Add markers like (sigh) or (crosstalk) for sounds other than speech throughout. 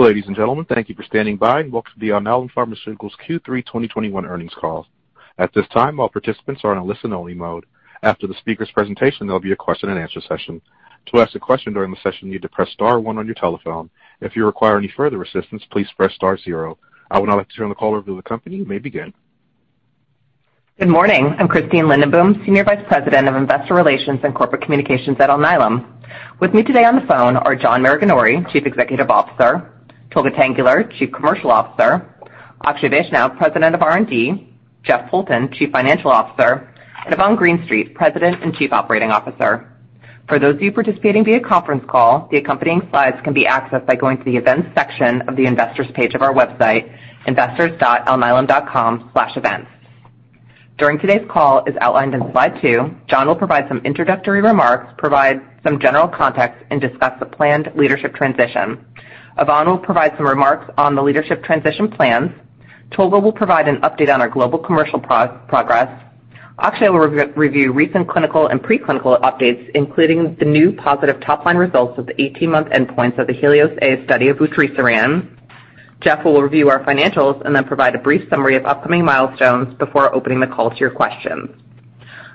Ladies and gentlemen, thank you for standing by and welcome to the Alnylam Pharmaceuticals Q3 2021 earnings call. At this time, all participants are in a listen-only mode. After the speaker's presentation, there'll be a question-and-answer session. To ask a question during the session, you need to press star one on your telephone. If you require any further assistance, please press star zero. I would now like to turn the call over to the company, and you may begin. Good morning. I'm Christine Lindenboom, Senior Vice President of Investor Relations and Corporate Communications at Alnylam. With me today on the phone are John Maraganore, Chief Executive Officer; Tolga Tanguler, Chief Commercial Officer; Akshay Vaishnaw, President of R&D; Jeff Poulton, Chief Financial Officer; and Yvonne Greenstreet, President and Chief Operating Officer. For those of you participating via conference call, the accompanying slides can be accessed by going to the events section of the investors page of our website, investors.alnylam.com/events. During today's call, as outlined in slide two, John will provide some introductory remarks, provide some general context, and discuss the planned leadership transition. Yvonne will provide some remarks on the leadership transition plans. Tolga will provide an update on our global commercial progress. Akshay will review recent clinical and preclinical updates, including the new positive top-line results of the 18-month endpoints of the HELIOS A study of vutrisiran. Jeff will review our financials and then provide a brief summary of upcoming milestones before opening the call to your questions.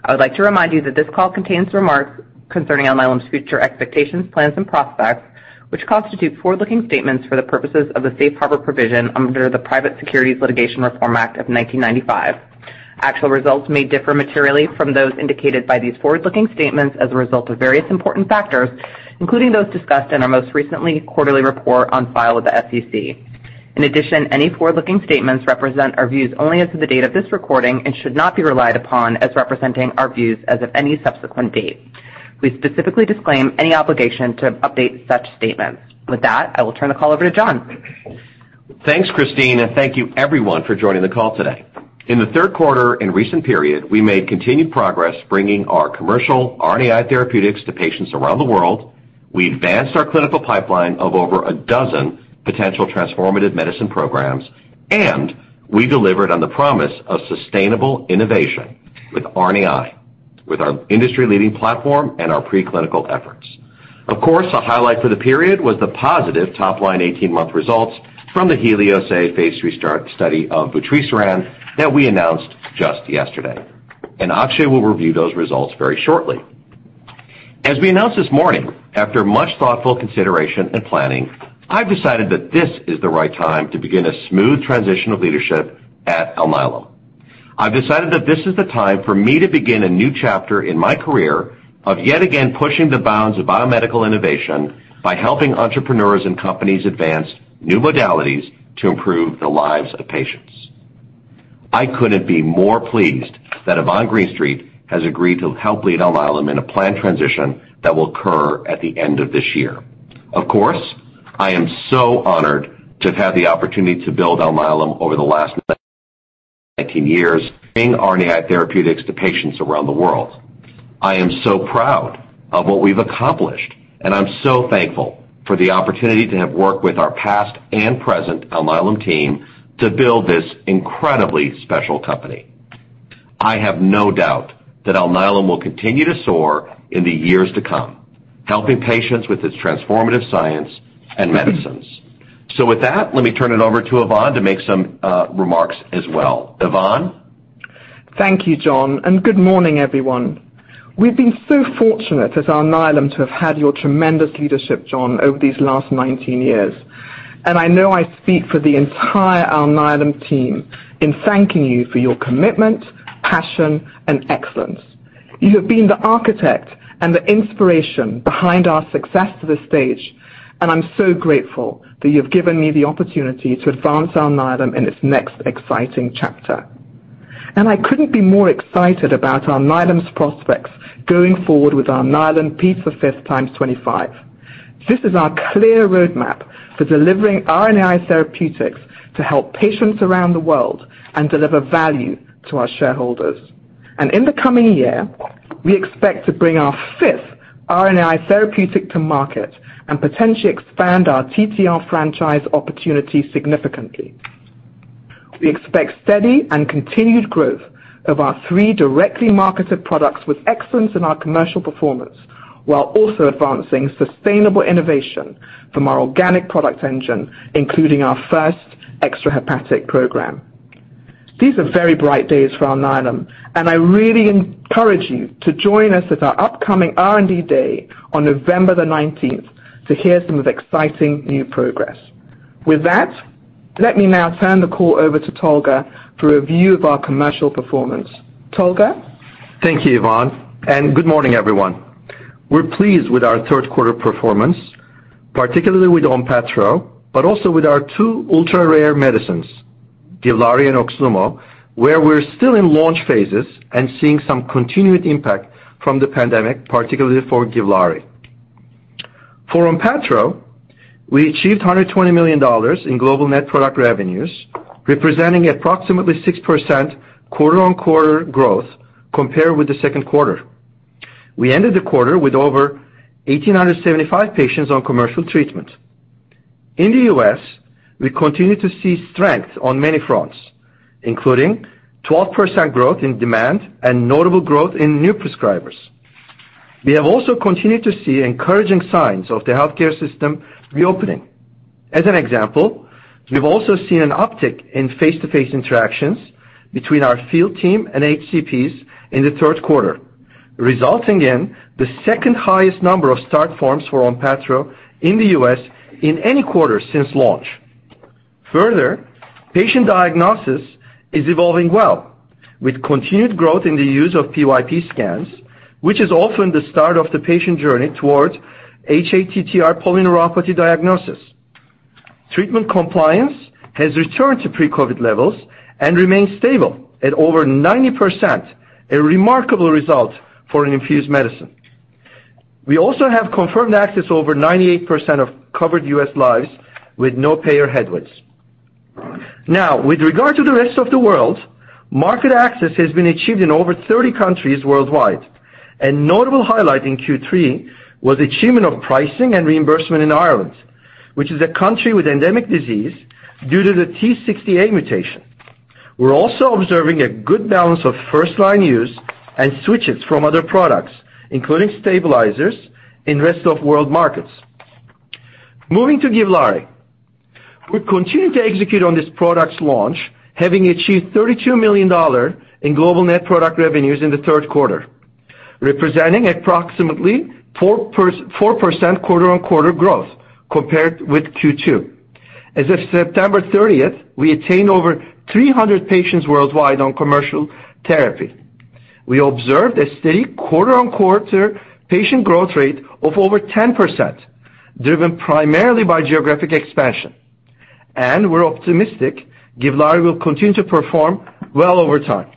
I would like to remind you that this call contains remarks concerning Alnylam's future expectations, plans, and prospects, which constitute forward-looking statements for the purposes of the Safe Harbor Provision under the Private Securities Litigation Reform Act of 1995. Actual results may differ materially from those indicated by these forward-looking statements as a result of various important factors, including those discussed in our most recent quarterly report on file with the SEC. In addition, any forward-looking statements represent our views only as of the date of this recording and should not be relied upon as representing our views as of any subsequent date. We specifically disclaim any obligation to update such statements. With that, I will turn the call over to John. Thanks, Christine, and thank you, everyone, for joining the call today. In the third quarter and recent period, we made continued progress bringing our commercial RNAi therapeutics to patients around the world. We advanced our clinical pipeline of over a dozen potential transformative medicine programs, and we delivered on the promise of sustainable innovation with RNAi with our industry-leading platform and our preclinical efforts. Of course, a highlight for the period was the positive top-line 18-month results from the HELIOS-A phase III study of vutrisiran that we announced just yesterday. And Akshay will review those results very shortly. As we announced this morning, after much thoughtful consideration and planning, I've decided that this is the right time to begin a smooth transition of leadership at Alnylam. I've decided that this is the time for me to begin a new chapter in my career of yet again pushing the bounds of biomedical innovation by helping entrepreneurs and companies advance new modalities to improve the lives of patients. I couldn't be more pleased that Yvonne Greenstreet has agreed to help lead Alnylam in a planned transition that will occur at the end of this year. Of course, I am so honored to have had the opportunity to build Alnylam over the last 19 years. RNAi therapeutics to patients around the world. I am so proud of what we've accomplished, and I'm so thankful for the opportunity to have worked with our past and present Alnylam team to build this incredibly special company. I have no doubt that Alnylam will continue to soar in the years to come, helping patients with its transformative science and medicines. So with that, let me turn it over to Yvonne to make some remarks as well. Yvonne? Thank you, John, and good morning, everyone. We've been so fortunate at Alnylam to have had your tremendous leadership, John, over these last 19 years, and I know I speak for the entire Alnylam team in thanking you for your commitment, passion, and excellence. You have been the architect and the inspiration behind our success to this stage, and I'm so grateful that you've given me the opportunity to advance Alnylam in its next exciting chapter, and I couldn't be more excited about Alnylam's prospects going forward with Alnylam P5x25. This is our clear roadmap for delivering RNAi therapeutics to help patients around the world and deliver value to our shareholders, and in the coming year, we expect to bring our fifth RNAi therapeutic to market and potentially expand our TTR franchise opportunity significantly. We expect steady and continued growth of our three directly marketed products with excellence in our commercial performance while also advancing sustainable innovation from our organic product engine, including our first extra hepatic program. These are very bright days for Alnylam, and I really encourage you to join us at our upcoming R&D day on November the 19th to hear some of the exciting new progress. With that, let me now turn the call over to Tolga for a view of our commercial performance. Tolga. Thank you, Yvonne, and good morning, everyone. We're pleased with our third quarter performance, particularly with ONPATTRO, but also with our two ultra-rare medicines, GIVLAARI and OXLUMO, where we're still in launch phases and seeing some continued impact from the pandemic, particularly for GIVLAARI. For ONPATTRO, we achieved $120 million in global net product revenues, representing approximately 6% quarter-on-quarter growth compared with the second quarter. We ended the quarter with over 1,875 patients on commercial treatment. In the U.S., we continue to see strength on many fronts, including 12% growth in demand and notable growth in new prescribers. We have also continued to see encouraging signs of the healthcare system reopening. As an example, we've also seen an uptick in face-to-face interactions between our field team and HCPs in the third quarter, resulting in the second highest number of start forms for ONPATTRO in the U.S. in any quarter since launch. Further, patient diagnosis is evolving well, with continued growth in the use of PYP scans, which is often the start of the patient journey towards hATTR polyneuropathy diagnosis. Treatment compliance has returned to pre-COVID levels and remains stable at over 90%, a remarkable result for an infused medicine. We also have confirmed access to over 98% of covered U.S. lives with no payer headways. Now, with regard to the rest of the world, market access has been achieved in over 30 countries worldwide. A notable highlight in Q3 was the achievement of pricing and reimbursement in Ireland, which is a country with endemic disease due to the T60A mutation. We're also observing a good balance of first-line use and switches from other products, including stabilizers, in the rest of world markets. Moving to GIVLAARI. We continue to execute on this product's launch, having achieved $32 million in global net product revenues in the third quarter, representing approximately 4% quarter-on-quarter growth compared with Q2. As of September 30th, we attained over 300 patients worldwide on commercial therapy. We observed a steady quarter-on-quarter patient growth rate of over 10%, driven primarily by geographic expansion, and we're optimistic GIVLAARI will continue to perform well over time.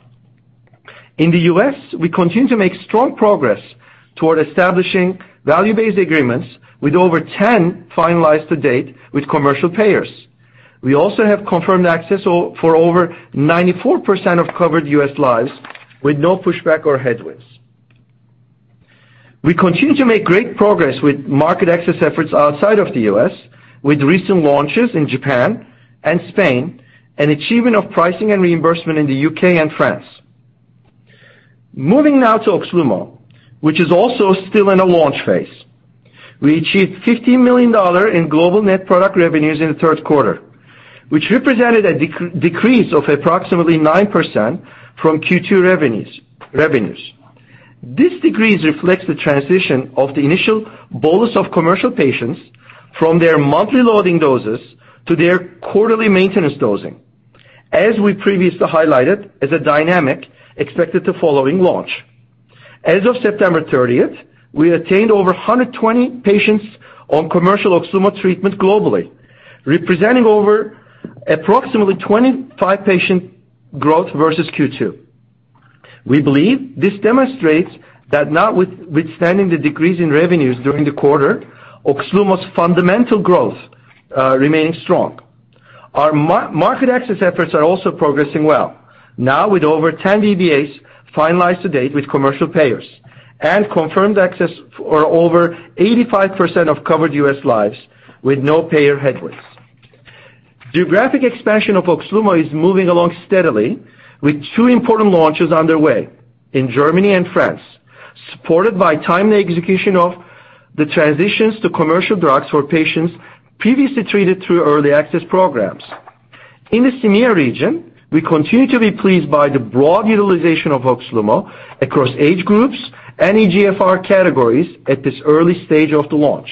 In the U.S., we continue to make strong progress toward establishing value-based agreements with over 10 finalized to date with commercial payers. We also have confirmed access for over 94% of covered U.S. lives with no pushback or headwinds. We continue to make great progress with market access efforts outside of the U.S., with recent launches in Japan and Spain, and achievement of pricing and reimbursement in the U.K. and France. Moving now to OXLUMO, which is also still in a launch phase. We achieved $15 million in global net product revenues in the third quarter, which represented a decrease of approximately 9% from Q2 revenues. This decrease reflects the transition of the initial bolus of commercial patients from their monthly loading doses to their quarterly maintenance dosing, as we previously highlighted as a dynamic expected to follow in launch. As of September 30th, we attained over 120 patients on commercial OXLUMO treatment globally, representing over approximately 25% patient growth versus Q2. We believe this demonstrates that, notwithstanding the decrease in revenues during the quarter, OXLUMO's fundamental growth remains strong. Our market access efforts are also progressing well, now with over 10 VBAs finalized to date with commercial payers and confirmed access for over 85% of covered U.S. lives with no payer headwinds. Geographic expansion of OXLUMO is moving along steadily, with two important launches underway in Germany and France, supported by timely execution of the transitions to commercial drugs for patients previously treated through early access programs. In the EMEA region, we continue to be pleased by the broad utilization of OXLUMO across age groups and eGFR categories at this early stage of the launch.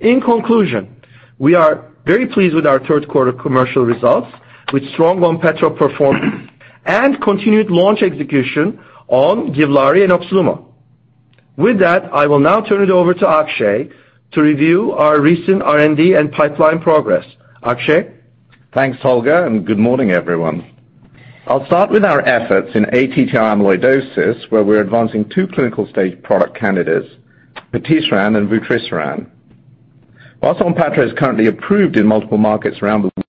In conclusion, we are very pleased with our third quarter commercial results, with strong ONPATTRO performance and continued launch execution on GIVLAARI and OXLUMO. With that, I will now turn it over to Akshay to review our recent R&D and pipeline progress. Akshay. Thanks, Tolga, and good morning, everyone. I'll start with our efforts in ATTR amyloidosis, where we're advancing two clinical stage product candidates, patisiran and vutrisiran. While ONPATTRO is currently approved in multiple markets around the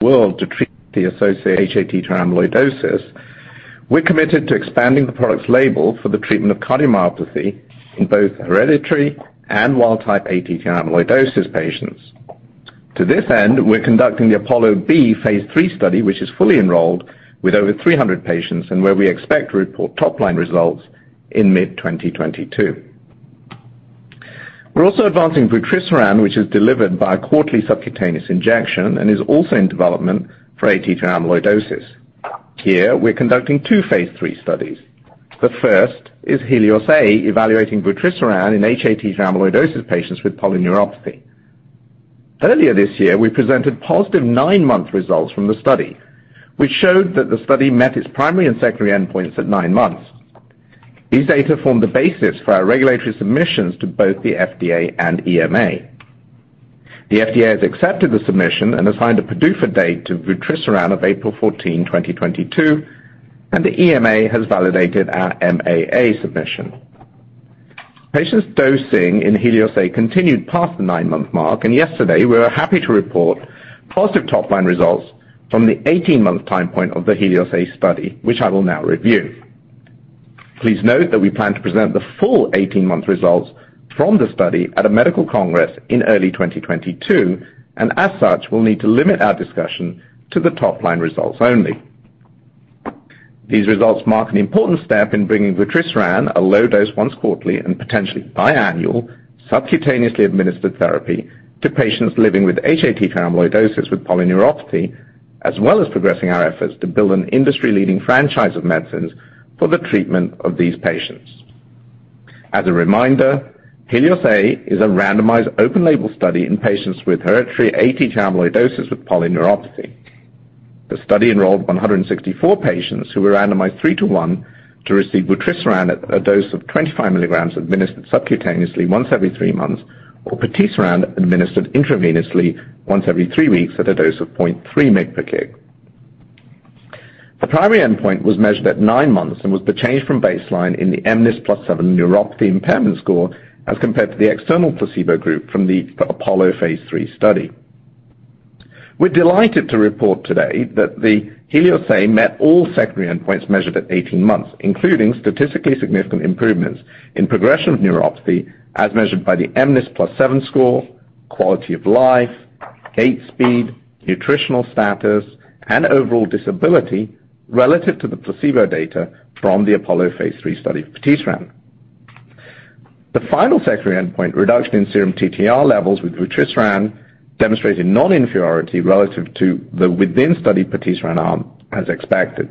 world to treat the associated hATTR amyloidosis, we're committed to expanding the product's label for the treatment of cardiomyopathy in both hereditary and wild-type ATTR amyloidosis patients. To this end, we're conducting the APOLLO-B phase III study, which is fully enrolled with over 300 patients and where we expect to report top-line results in mid-2022. We're also advancing vutrisiran, which is delivered by a quarterly subcutaneous injection and is also in development for ATTR amyloidosis. Here, we're conducting two phase III studies. The first is HELIOS-A evaluating vutrisiran in hATTR amyloidosis patients with polyneuropathy. Earlier this year, we presented positive nine-month results from the study, which showed that the study met its primary and secondary endpoints at nine months. These data formed the basis for our regulatory submissions to both the FDA and EMA. The FDA has accepted the submission and assigned a PDUFA date to vutrisiran of April 14, 2022, and the EMA has validated our MAA submission. Patients' dosing in HELIOS-A continued past the nine-month mark, and yesterday, we were happy to report positive top-line results from the 18-month time point of the HELIOS-A study, which I will now review. Please note that we plan to present the full 18-month results from the study at a medical congress in early 2022, and as such, we'll need to limit our discussion to the top-line results only. These results mark an important step in bringing vutrisiran, a low-dose once quarterly and potentially biannual subcutaneously administered therapy, to patients living with hATTR amyloidosis with polyneuropathy, as well as progressing our efforts to build an industry-leading franchise of medicines for the treatment of these patients. As a reminder, HELIOS-A is a randomized open-label study in patients with hereditary ATTR amyloidosis with polyneuropathy. The study enrolled 164 patients who were randomized three to one to receive vutrisiran at a dose of 25 milligrams administered subcutaneously once every three months, or vutrisiran administered intravenously once every three weeks at a dose of 0.3 mg per kg. The primary endpoint was measured at nine months and was the change from baseline in the mNIS+7 neuropathy impairment score as compared to the external placebo group from the APOLLO phase III study. We're delighted to report today that the HELIOS-A met all secondary endpoints measured at 18 months, including statistically significant improvements in progression of neuropathy as measured by the mNIS+7 score, quality of life, gait speed, nutritional status, and overall disability relative to the placebo data from the APOLLO phase III study of vutrisiran. The final secondary endpoint, reduction in serum TTR levels with vutrisiran, demonstrated non-inferiority relative to the within-study vutrisiran arm as expected.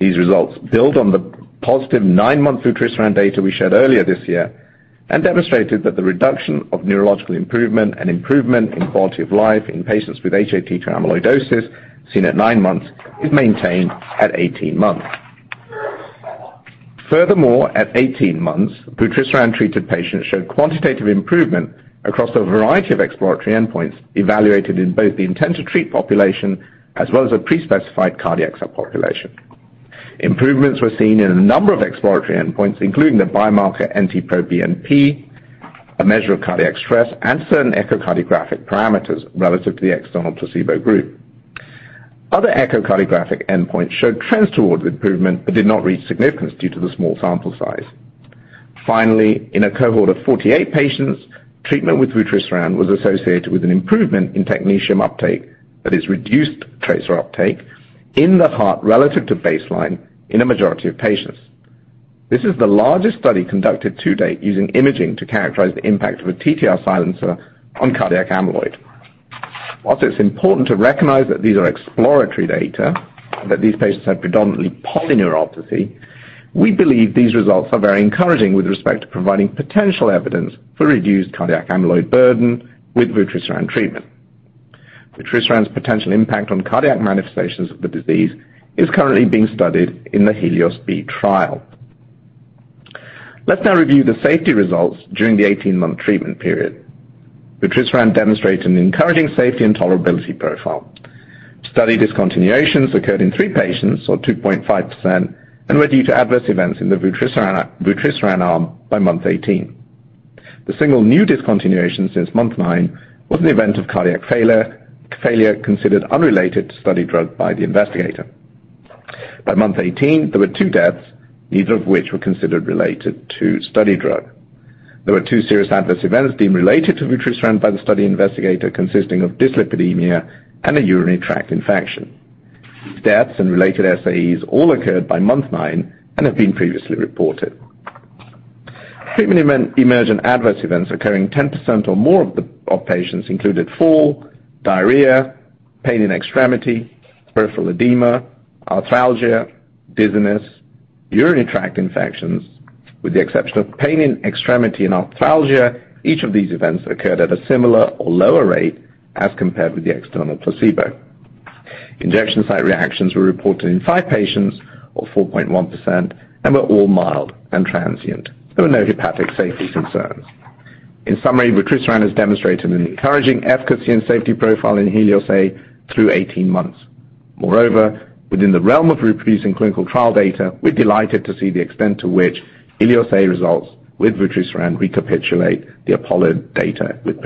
These results build on the positive nine-month vutrisiran data we shared earlier this year and demonstrated that the reduction of neurological improvement and improvement in quality of life in patients with hATTR amyloidosis seen at nine months is maintained at 18 months. Furthermore, at 18 months, vutrisiran-treated patients showed quantitative improvement across a variety of exploratory endpoints evaluated in both the intent to treat population as well as a pre-specified cardiac subpopulation. Improvements were seen in a number of exploratory endpoints, including the biomarker NT-proBNP, a measure of cardiac stress, and certain echocardiographic parameters relative to the external placebo group. Other echocardiographic endpoints showed trends towards improvement but did not reach significance due to the small sample size. Finally, in a cohort of 48 patients, treatment with vutrisiran was associated with an improvement in technetium uptake that is reduced tracer uptake in the heart relative to baseline in a majority of patients. This is the largest study conducted to date using imaging to characterize the impact of a TTR silencer on cardiac amyloid. While it's important to recognize that these are exploratory data and that these patients have predominantly polyneuropathy, we believe these results are very encouraging with respect to providing potential evidence for reduced cardiac amyloid burden with vutrisiran treatment. Vutrisiran's potential impact on cardiac manifestations of the disease is currently being studied in the HELIOS-B trial. Let's now review the safety results during the 18-month treatment period. Vutrisiran demonstrated an encouraging safety and tolerability profile. Study discontinuations occurred in three patients, or 2.5%, and were due to adverse events in the vutrisiran arm by month 18. The single new discontinuation since month nine was an event of cardiac failure, failure considered unrelated to study drug by the investigator. By month 18, there were two deaths, neither of which were considered related to study drug. There were two serious adverse events deemed related to vutrisiran by the study investigator, consisting of dyslipidemia and a urinary tract infection. Deaths and related SAEs all occurred by month nine and have been previously reported. Treatment-emergent adverse events occurring 10% or more of the patients included fall, diarrhea, pain in extremity, peripheral edema, arthralgia, dizziness, urinary tract infections. With the exception of pain in extremity and arthralgia, each of these events occurred at a similar or lower rate as compared with the external placebo. Injection site reactions were reported in five patients, or 4.1%, and were all mild and transient. There were no hepatic safety concerns. In summary, vutrisiran has demonstrated an encouraging efficacy and safety profile in HELIOS-A through 18 months. Moreover, within the realm of reproducing clinical trial data, we're delighted to see the extent to which HELIOS-A results with vutrisiran recapitulate the APOLLO data with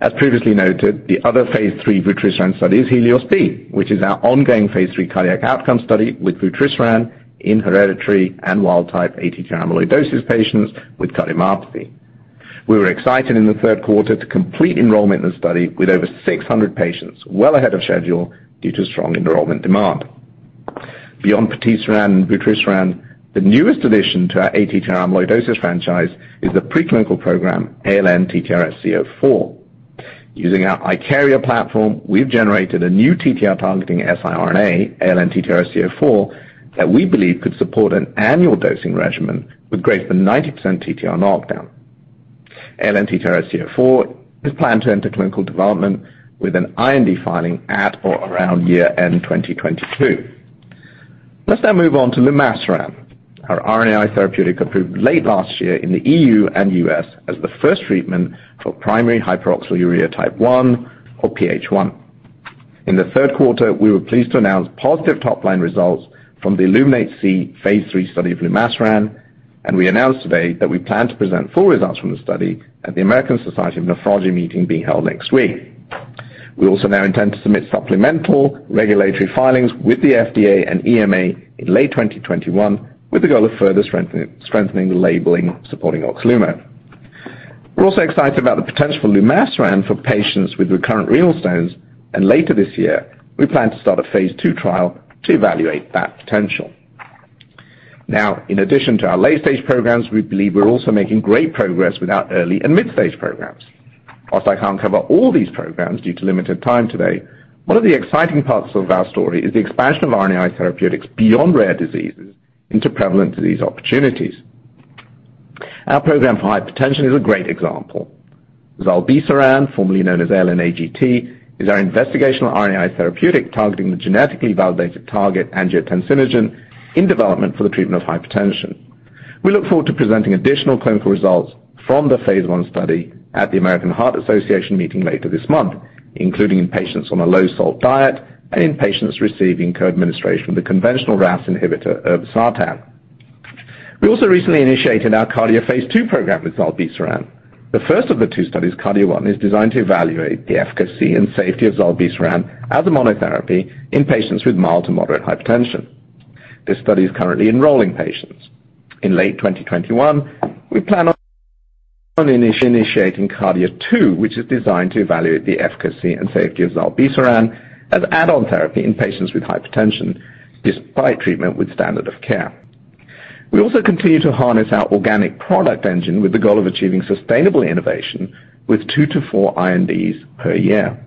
vutrisiran. As previously noted, the other phase III vutrisiran study is HELIOS-B, which is our ongoing phase III cardiac outcome study with vutrisiran in hereditary and wild-type ATTR amyloidosis patients with cardiomyopathy. We were excited in the third quarter to complete enrollment in the study with over 600 patients, well ahead of schedule due to strong enrollment demand. Beyond vutrisiran and vutrisiran, the newest addition to our ATTR amyloidosis franchise is the pre-clinical program ALN-TTRsc04. Using our IKARIA platform, we've generated a new TTR-targeting siRNA, ALN-TTRsc04, that we believe could support an annual dosing regimen with greater than 90% TTR knockdown. ALN-TTRsc04 is planned to enter clinical development with an IND filing at or around year-end 2022. Let's now move on to lumasiran, our RNAi therapeutic approved late last year in the EU and U.S. as the first treatment for primary hyperoxaluria type 1, or PH1. In the third quarter, we were pleased to announce positive top-line results from the ILLUMINATE-C phase III study of lumasiran, and we announced today that we plan to present full results from the study at the American Society of Nephrology meeting being held next week. We also now intend to submit supplemental regulatory filings with the FDA and EMA in late 2021 with the goal of further strengthening the labeling supporting OXLUMO. We're also excited about the potential for lumasiran for patients with recurrent renal stones, and later this year, we plan to start a phase II trial to evaluate that potential. Now, in addition to our late-stage programs, we believe we're also making great progress with our early and mid-stage programs. While I can't cover all these programs due to limited time today, one of the exciting parts of our story is the expansion of RNAi therapeutics beyond rare diseases into prevalent disease opportunities. Our program for hypertension is a great example. Zilebesiran, formerly known as ALN-AGT, is our investigational RNAi therapeutic targeting the genetically validated target angiotensinogen in development for the treatment of hypertension. We look forward to presenting additional clinical results from the phase I study at the American Heart Association meeting later this month, including in patients on a low-salt diet and in patients receiving co-administration of the conventional RAAS inhibitor, irbesartan. We also recently initiated our KARDIA-2 phase II program with zilebesiran. The first of the two studies, KARDIA-1, is designed to evaluate the efficacy and safety of zilebesiran as a monotherapy in patients with mild to moderate hypertension. This study is currently enrolling patients. In late 2021, we plan on initiating KARDIA-2, which is designed to evaluate the efficacy and safety of zilebesiran as add-on therapy in patients with hypertension despite treatment with standard of care. We also continue to harness our organic product engine with the goal of achieving sustainable innovation with two to four INDs per year.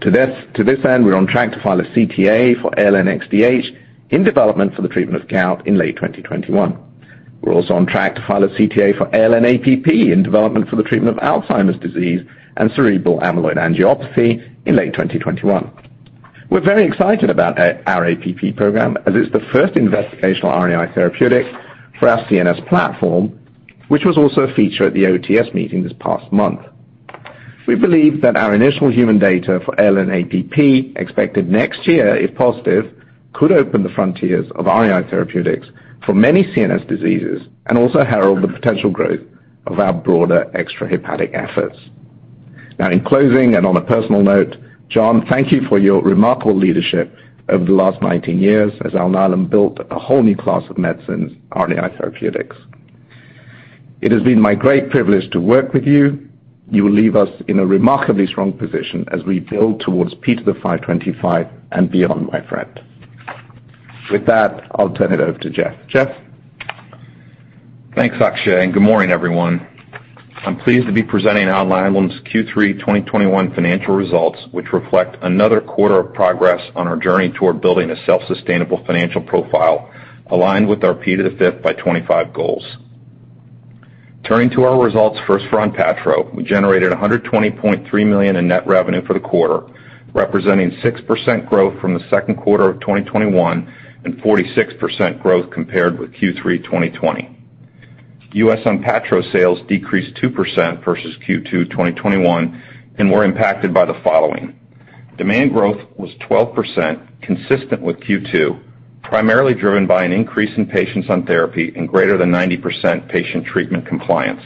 To this end, we're on track to file a CTA for ALN-XDH in development for the treatment of gout in late 2021. We're also on track to file a CTA for ALN-APP in development for the treatment of Alzheimer's disease and cerebral amyloid angiopathy in late 2021. We're very excited about our APP program as it's the first investigational RNAi therapeutic for our CNS platform, which was also a feature at the OTS meeting this past month. We believe that our initial human data for ALN-APP, expected next year, if positive, could open the frontiers of RNAi therapeutics for many CNS diseases and also herald the potential growth of our broader extrahepatic efforts. Now, in closing and on a personal note, John, thank you for your remarkable leadership over the last 19 years as Alnylam built a whole new class of medicines, RNAi therapeutics. It has been my great privilege to work with you. You will leave us in a remarkably strong position as we build towards P5x25 and beyond, my friend. With that, I'll turn it over to Jeff. Jeff. Thanks, Akshay, and good morning, everyone. I'm pleased to be presenting Alnylam's Q3 2021 financial results, which reflect another quarter of progress on our journey toward building a self-sustainable financial profile aligned with our P5x25 goals. Turning to our results first for ONPATTRO, we generated $120.3 million in net revenue for the quarter, representing 6% growth from the second quarter of 2021 and 46% growth compared with Q3 2020. U.S. ONPATTRO sales decreased 2% versus Q2 2021 and were impacted by the following. Demand growth was 12%, consistent with Q2, primarily driven by an increase in patients on therapy and greater than 90% patient treatment compliance.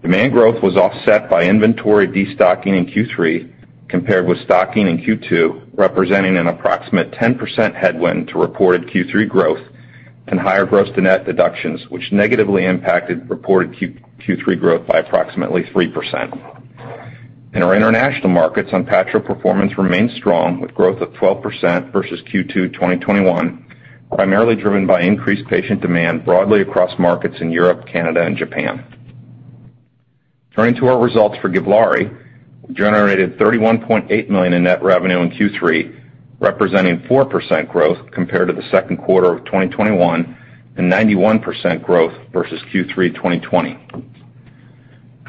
Demand growth was offset by inventory destocking in Q3 compared with stocking in Q2, representing an approximate 10% headwind to reported Q3 growth and higher gross-to-net deductions, which negatively impacted reported Q3 growth by approximately 3%. In our international markets, ONPATTRO performance remained strong with growth of 12% versus Q2 2021, primarily driven by increased patient demand broadly across markets in Europe, Canada, and Japan. Turning to our results for GIVLAARI, we generated $31.8 million in net revenue in Q3, representing 4% growth compared to the second quarter of 2021 and 91% growth versus Q3 2020.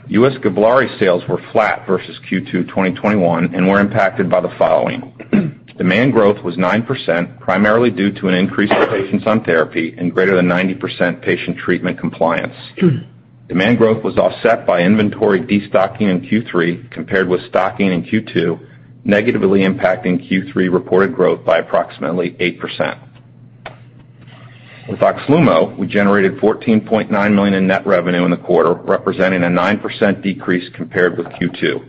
U.S. GIVLAARI's sales were flat versus Q2 2021 and were impacted by the following. Demand growth was 9%, primarily due to an increase in patients on therapy and greater than 90% patient treatment compliance. Demand growth was offset by inventory destocking in Q3 compared with stocking in Q2, negatively impacting Q3 reported growth by approximately 8%. With OXLUMO, we generated $14.9 million in net revenue in the quarter, representing a 9% decrease compared with Q2.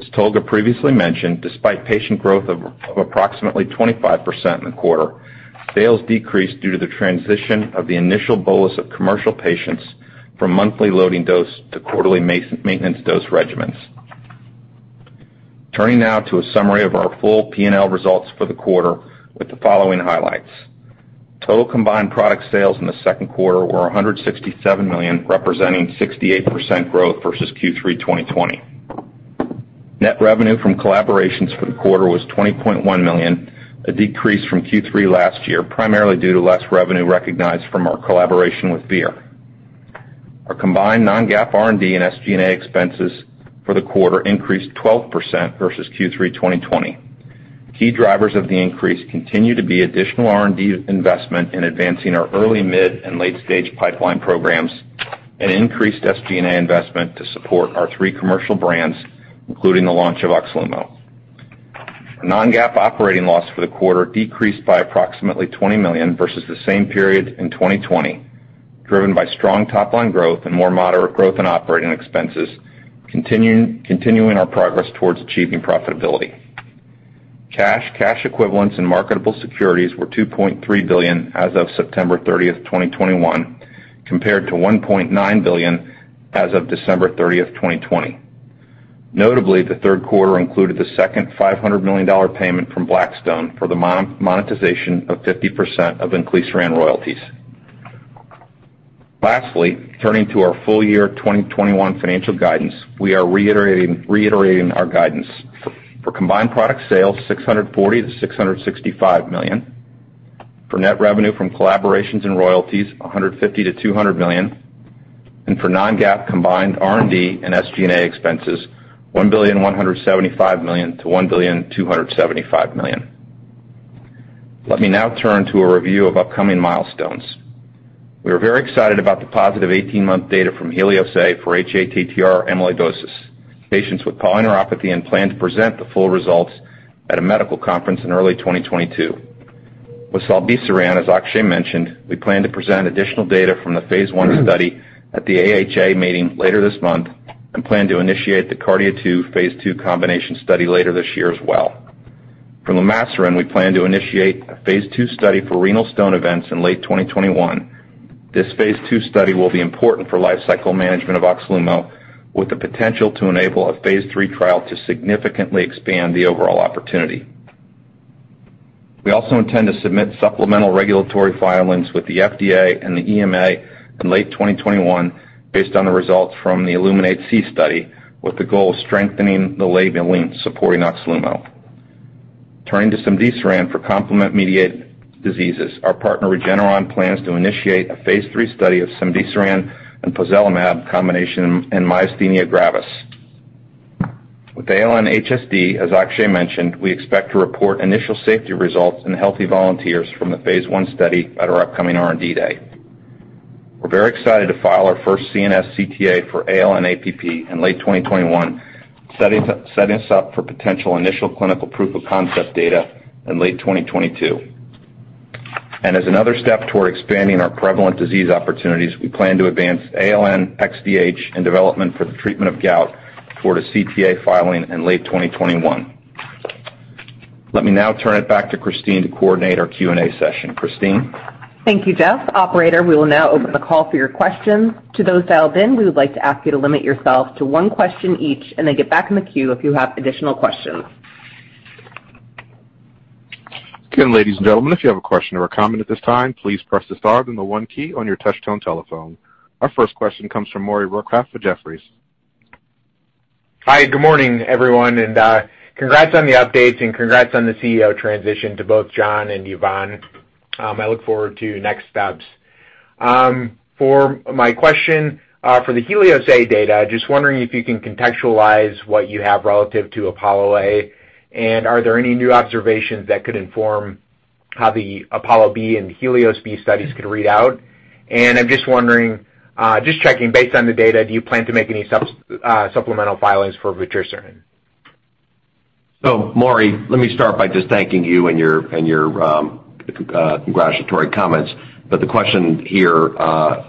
As Tolga previously mentioned, despite patient growth of approximately 25% in the quarter, sales decreased due to the transition of the initial bolus of commercial patients from monthly loading dose to quarterly maintenance dose regimens. Turning now to a summary of our full P&L results for the quarter with the following highlights. Total combined product sales in the second quarter were $167 million, representing 68% growth versus Q3 2020. Net revenue from collaborations for the quarter was $20.1 million, a decrease from Q3 last year, primarily due to less revenue recognized from our collaboration with Vir Biotechnology. Our combined non-GAAP R&D and SG&A expenses for the quarter increased 12% versus Q3 2020. Key drivers of the increase continue to be additional R&D investment in advancing our early, mid, and late-stage pipeline programs and increased SG&A investment to support our three commercial brands, including the launch of OXLUMO. Non-GAAP operating loss for the quarter decreased by approximately $20 million versus the same period in 2020, driven by strong top-line growth and more moderate growth in operating expenses, continuing our progress towards achieving profitability. Cash, cash equivalents, and marketable securities were $2.3 billion as of September 30th, 2021, compared to $1.9 billion as of December 30th, 2020. Notably, the third quarter included the second $500 million payment from Blackstone for the monetization of 50% of inclisiran royalties. Lastly, turning to our full year 2021 financial guidance, we are reiterating our guidance for combined product sales, $640 million-$665 million. For net revenue from collaborations and royalties, $150 million-$200 million. And for non-GAAP combined R&D and SG&A expenses, $1.175 billion-$1.275 billion. Let me now turn to a review of upcoming milestones. We are very excited about the positive 18-month data from HELIOS-A for hATTR amyloidosis patients with polyneuropathy and plan to present the full results at a medical conference in early 2022. With zilebesiran, as Akshay mentioned, we plan to present additional data from the phase I study at the AHA meeting later this month and plan to initiate the KARDIA-2 phase II combination study later this year as well. For lumasiran, we plan to initiate a phase II study for renal stone events in late 2021. This phase II study will be important for lifecycle management of OXLUMO, with the potential to enable a phase III trial to significantly expand the overall opportunity. We also intend to submit supplemental regulatory filings with the FDA and the EMA in late 2021 based on the results from the ILLUMINATE-C study, with the goal of strengthening the labeling supporting OXLUMO. Turning to cemdisiran for complement-mediated diseases, our partner Regeneron plans to initiate a phase III study of cemdisiran and pozelimab combination and myasthenia gravis. With ALN-HSD, as Akshay mentioned, we expect to report initial safety results and healthy volunteers from the phase I study at our upcoming R&D day. We're very excited to file our first CNS CTA for ALN-APP in late 2021, setting us up for potential initial clinical proof of concept data in late 2022, and as another step toward expanding our prevalent disease opportunities, we plan to advance ALN-XDH in development for the treatment of gout toward a CTA filing in late 2021. Let me now turn it back to Christine to coordinate our Q&A session. Christine. Thank you, Jeff. Operator, we will now open the call for your questions. To those dialed in, we would like to ask you to limit yourself to one question each and then get back in the queue if you have additional questions. Again, ladies and gentlemen, if you have a question or a comment at this time, please press the star then the one key on your touch-tone telephone. Our first question comes from Maury Raycroft for Jefferies. Hi, good morning, everyone. And congrats on the updates and congrats on the CEO transition to both John and Yvonne. I look forward to next steps. For my question for the HELIOS-A data, just wondering if you can contextualize what you have relative to APOLLO-A, and are there any new observations that could inform how the APOLLO-B and HELIOS-B studies could read out? And I'm just wondering, just checking based on the data, do you plan to make any supplemental filings for vutrisiran? So, Maury, let me start by just thanking you and your congratulatory comments. But the question here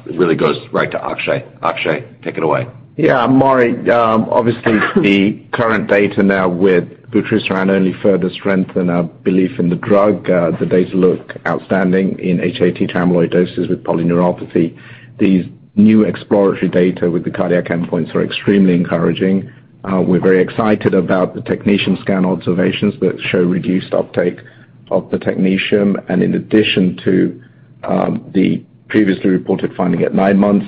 really goes right to Akshay. Akshay, take it away. Yeah, Maury, obviously, the current data now with vutrisiran only further strengthen our belief in the drug. The data look outstanding in hATTR amyloidosis with polyneuropathy. These new exploratory data with the cardiac endpoints are extremely encouraging. We're very excited about the technetium scan observations that show reduced uptake of the technetium. And in addition to the previously reported finding at nine months,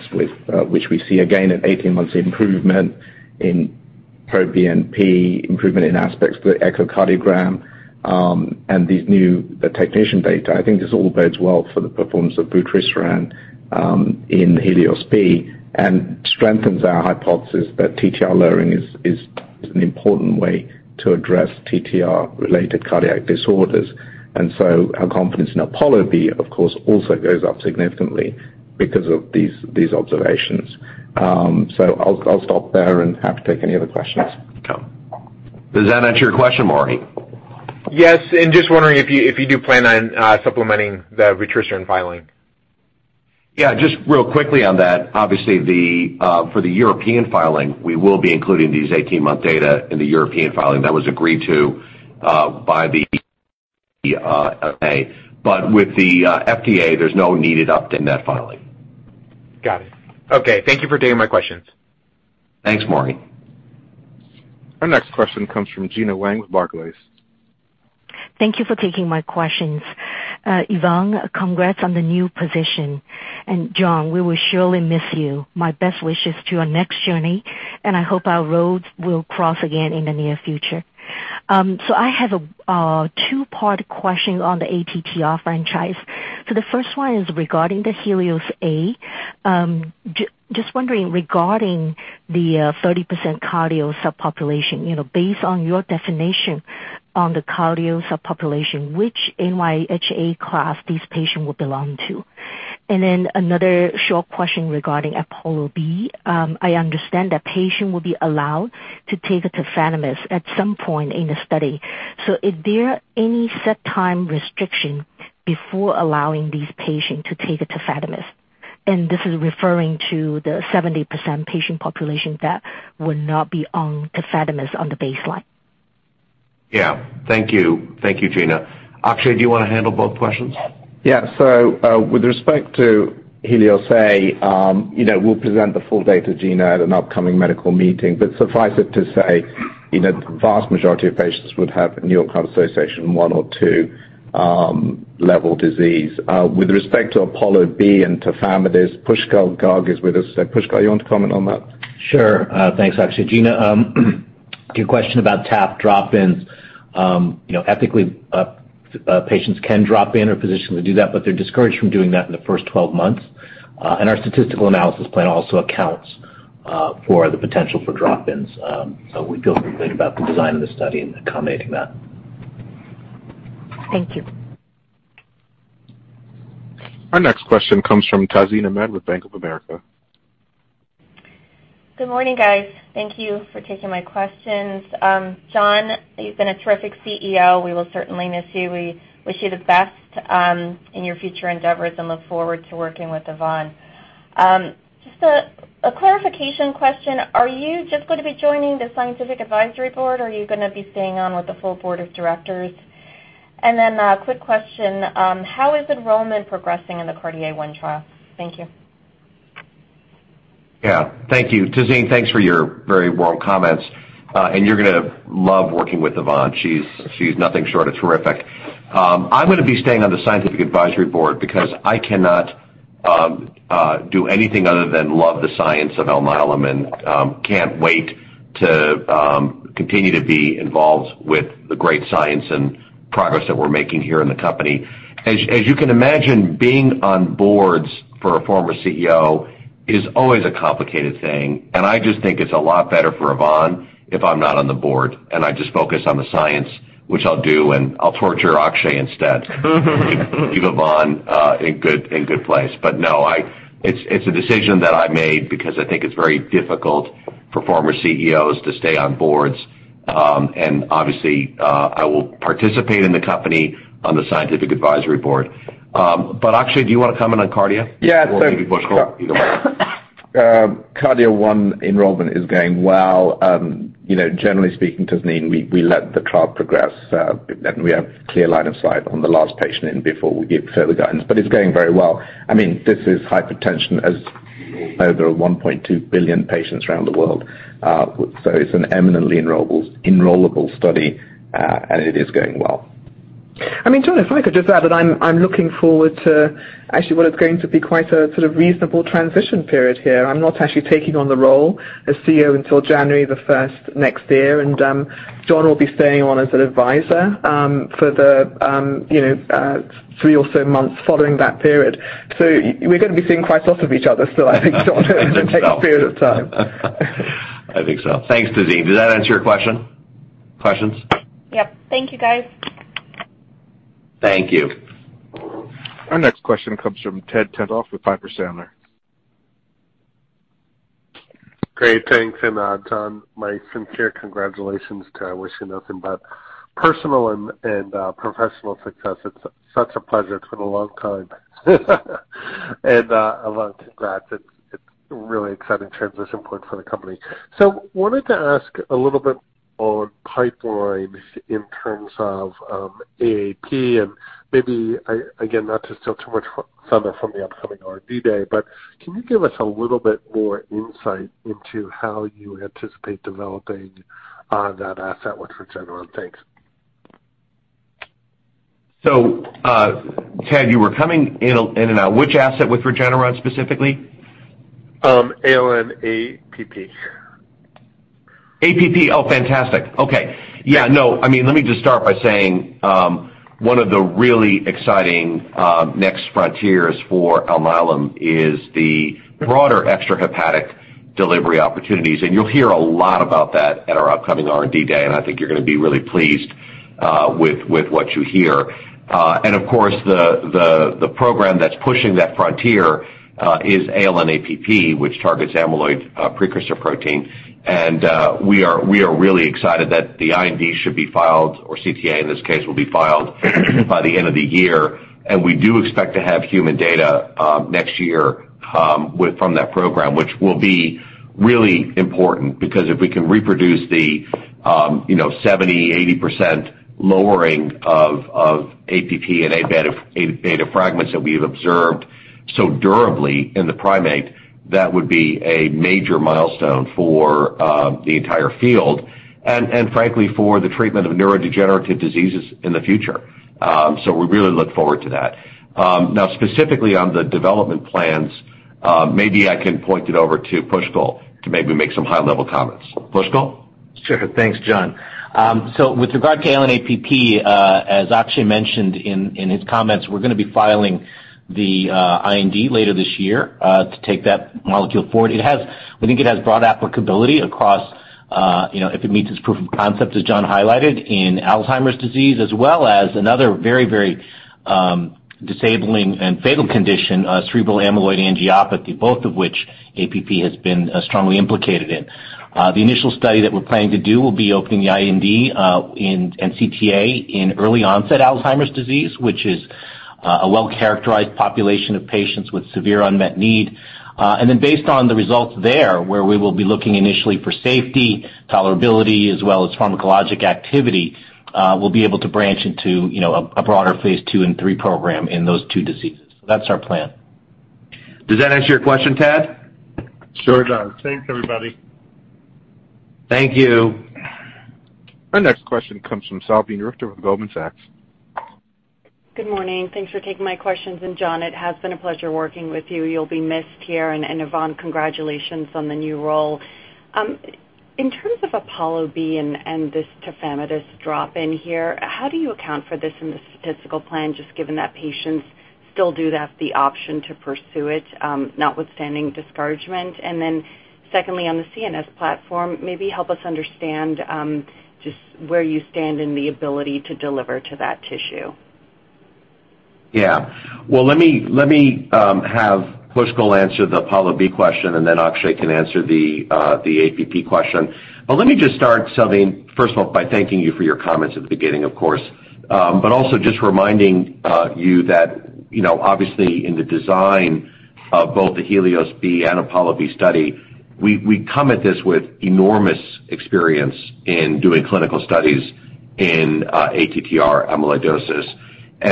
which we see again at 18 months, improvement in NT-proBNP, improvement in aspects of the echocardiogram, and these new technetium data, I think this all bodes well for the performance of vutrisiran in HELIOS-B and strengthens our hypothesis that TTR lowering is an important way to address TTR-related cardiac disorders. And so our confidence in APOLLO-B, of course, also goes up significantly because of these observations. So I'll stop there and happy to take any other questions. Does that answer your question, Maury? Yes. And just wondering if you do plan on supplementing the vutrisiran filing. Yeah, just real quickly on that. Obviously, for the European filing, we will be including these 18-month data in the European filing that was agreed to by the FDA. But with the FDA, there's no needed update in that filing. Got it. Okay. Thank you for taking my questions. Thanks, Maury. Our next question comes from Gena Wang with Barclays. Thank you for taking my questions. Yvonne, congrats on the new position. And John, we will surely miss you. My best wishes to your next journey, and I hope our roads will cross again in the near future. So I have a two-part question on the ATTR franchise. So the first one is regarding the HELIOS-A. Just wondering regarding the 30% cardio subpopulation, based on your definition on the cardio subpopulation, which NYHA class these patients will belong to? And then another short question regarding APOLLO-B. I understand that patients will be allowed to take a tafamidis at some point in the study. So is there any set time restriction before allowing these patients to take a tafamidis? And this is referring to the 70% patient population that will not be on tafamidis on the baseline. Yeah. Thank you. Thank you, Gena. Akshay, do you want to handle both questions? Yeah. So with respect to HELIOS-A, we'll present the full data to Gena at an upcoming medical meeting. But suffice it to say, the vast majority of patients would have a New York Heart Association one or two-level disease. With respect to APOLLO-B and tafamidis, Pushkal Garg is with us. Pushkal, you want to comment on that? Sure. Thanks, Akshay. Gena, your question about TAP drop-ins. Technically, patients can drop in or physicians can do that, but they're discouraged from doing that in the first 12 months. And our statistical analysis plan also accounts for the potential for drop-ins. So we feel comfortable about the design of the study and accommodating that. Thank you. Our next question comes from Tazeen Ahmad with Bank of America. Good morning, guys. Thank you for taking my questions. John, you've been a terrific CEO. We will certainly miss you. We wish you the best in your future endeavors and look forward to working with Yvonne. Just a clarification question. Are you just going to be joining the scientific advisory board, or are you going to be staying on with the full board of directors? And then a quick question. How is enrollment progressing in the KARDIA-1 trial? Thank you. Yeah. Thank you. Tazeen, thanks for your very warm comments. And you're going to love working with Yvonne. She's nothing short of terrific. I'm going to be staying on the scientific advisory board because I cannot do anything other than love the science of Alnylam and can't wait to continue to be involved with the great science and progress that we're making here in the company. As you can imagine, being on boards for a former CEO is always a complicated thing. And I just think it's a lot better for Yvonne if I'm not on the board. And I just focus on the science, which I'll do, and I'll torture Akshay instead to keep Yvonne in good place. But no, it's a decision that I made because I think it's very difficult for former CEOs to stay on boards. And obviously, I will participate in the company on the scientific advisory board. But Akshay, do you want to comment on KARDIA? (crosstalk) KARDIA-1 enrollment is going well. Generally speaking, Tazeen, we let the trial progress, and we have a clear line of sight on the last patient in before we give further guidance. But it's going very well. I mean, this is hypertension with over 1.2 billion patients around the world. So it's an eminently enrollable study, and it is going well. I mean, John, if I could just add that I'm looking forward to actually what is going to be quite a sort of reasonable transition period here. I'm not actually taking on the role as CEO until January the 1st next year. And John will be staying on as an advisor for the three or so months following that period. So we're going to be seeing quite a lot of each other (crosstalk) I think so. Thanks, Tazeen. Does that answer your question? Questions? Yep. Thank you, guys. Thank you. Our next question comes from Ted Tenthoff with Piper Sandler. Great. Thanks, Emad. My sincere congratulations to you. I wish you nothing but personal and professional success. It's such a pleasure. It's been a long time. And Yvonne, congrats. It's a really exciting transition point for the company. So I wanted to ask a little bit more on pipeline in terms of AAP. Maybe, again, not to steal too much thunder from the upcoming R&D day, but can you give us a little bit more insight into how you anticipate developing that asset with Regeneron? Thanks. So, Ted, you were coming in and out. Which asset with Regeneron specifically? ALN-APP. APP. Oh, fantastic. Okay. Yeah. No. I mean, let me just start by saying one of the really exciting next frontiers for Alnylam is the broader extra hepatic delivery opportunities. And you'll hear a lot about that at our upcoming R&D day. And I think you're going to be really pleased with what you hear. And of course, the program that's pushing that frontier is ALN-APP, which targets amyloid precursor protein. And we are really excited that the IND should be filed, or CTA in this case, will be filed by the end of the year. And we do expect to have human data next year from that program, which will be really important because if we can reproduce the 70%-80% lowering of APP and A beta fragments that we have observed so durably in the primate, that would be a major milestone for the entire field and, frankly, for the treatment of neurodegenerative diseases in the future. So we really look forward to that. Now, specifically on the development plans, maybe I can hand it over to Pushkal to maybe make some high-level comments. Pushkal? Sure. Thanks, John. So with regard to ALN-APP, as Akshay mentioned in his comments, we're going to be filing the IND later this year to take that molecule forward. We think it has broad applicability across if it meets its proof of concept, as John highlighted, in Alzheimer's disease, as well as another very, very disabling and fatal condition, cerebral amyloid angiopathy, both of which APP has been strongly implicated in. The initial study that we're planning to do will be opening the IND and CTA in early-onset Alzheimer's disease, which is a well-characterized population of patients with severe unmet need, and then based on the results there, where we will be looking initially for safety, tolerability, as well as pharmacologic activity, we'll be able to branch into a broader phase two and three program in those two diseases. That's our plan. Does that answer your question, Ted? Sure does. Thanks, everybody. Thank you. Our next question comes from Salveen Richter of Goldman Sachs. Good morning. Thanks for taking my questions. And John, it has been a pleasure working with you. You'll be missed here. And Yvonne, congratulations on the new role. In terms of APOLLO-B and this tafamidis drop-in here, how do you account for this in the statistical plan, just given that patients still do have the option to pursue it, notwithstanding discouragement? And then secondly, on the CNS platform, maybe help us understand just where you stand in the ability to deliver to that tissue. Yeah. Well, let me have Pushkal answer the APOLLO-B question, and then Akshay can answer the APP question. But let me just start, Salveen, first of all, by thanking you for your comments at the beginning, of course. But also just reminding you that, obviously, in the design of both the HELIOS-B and APOLLO-B study, we come at this with enormous experience in doing clinical studies in ATTR amyloidosis.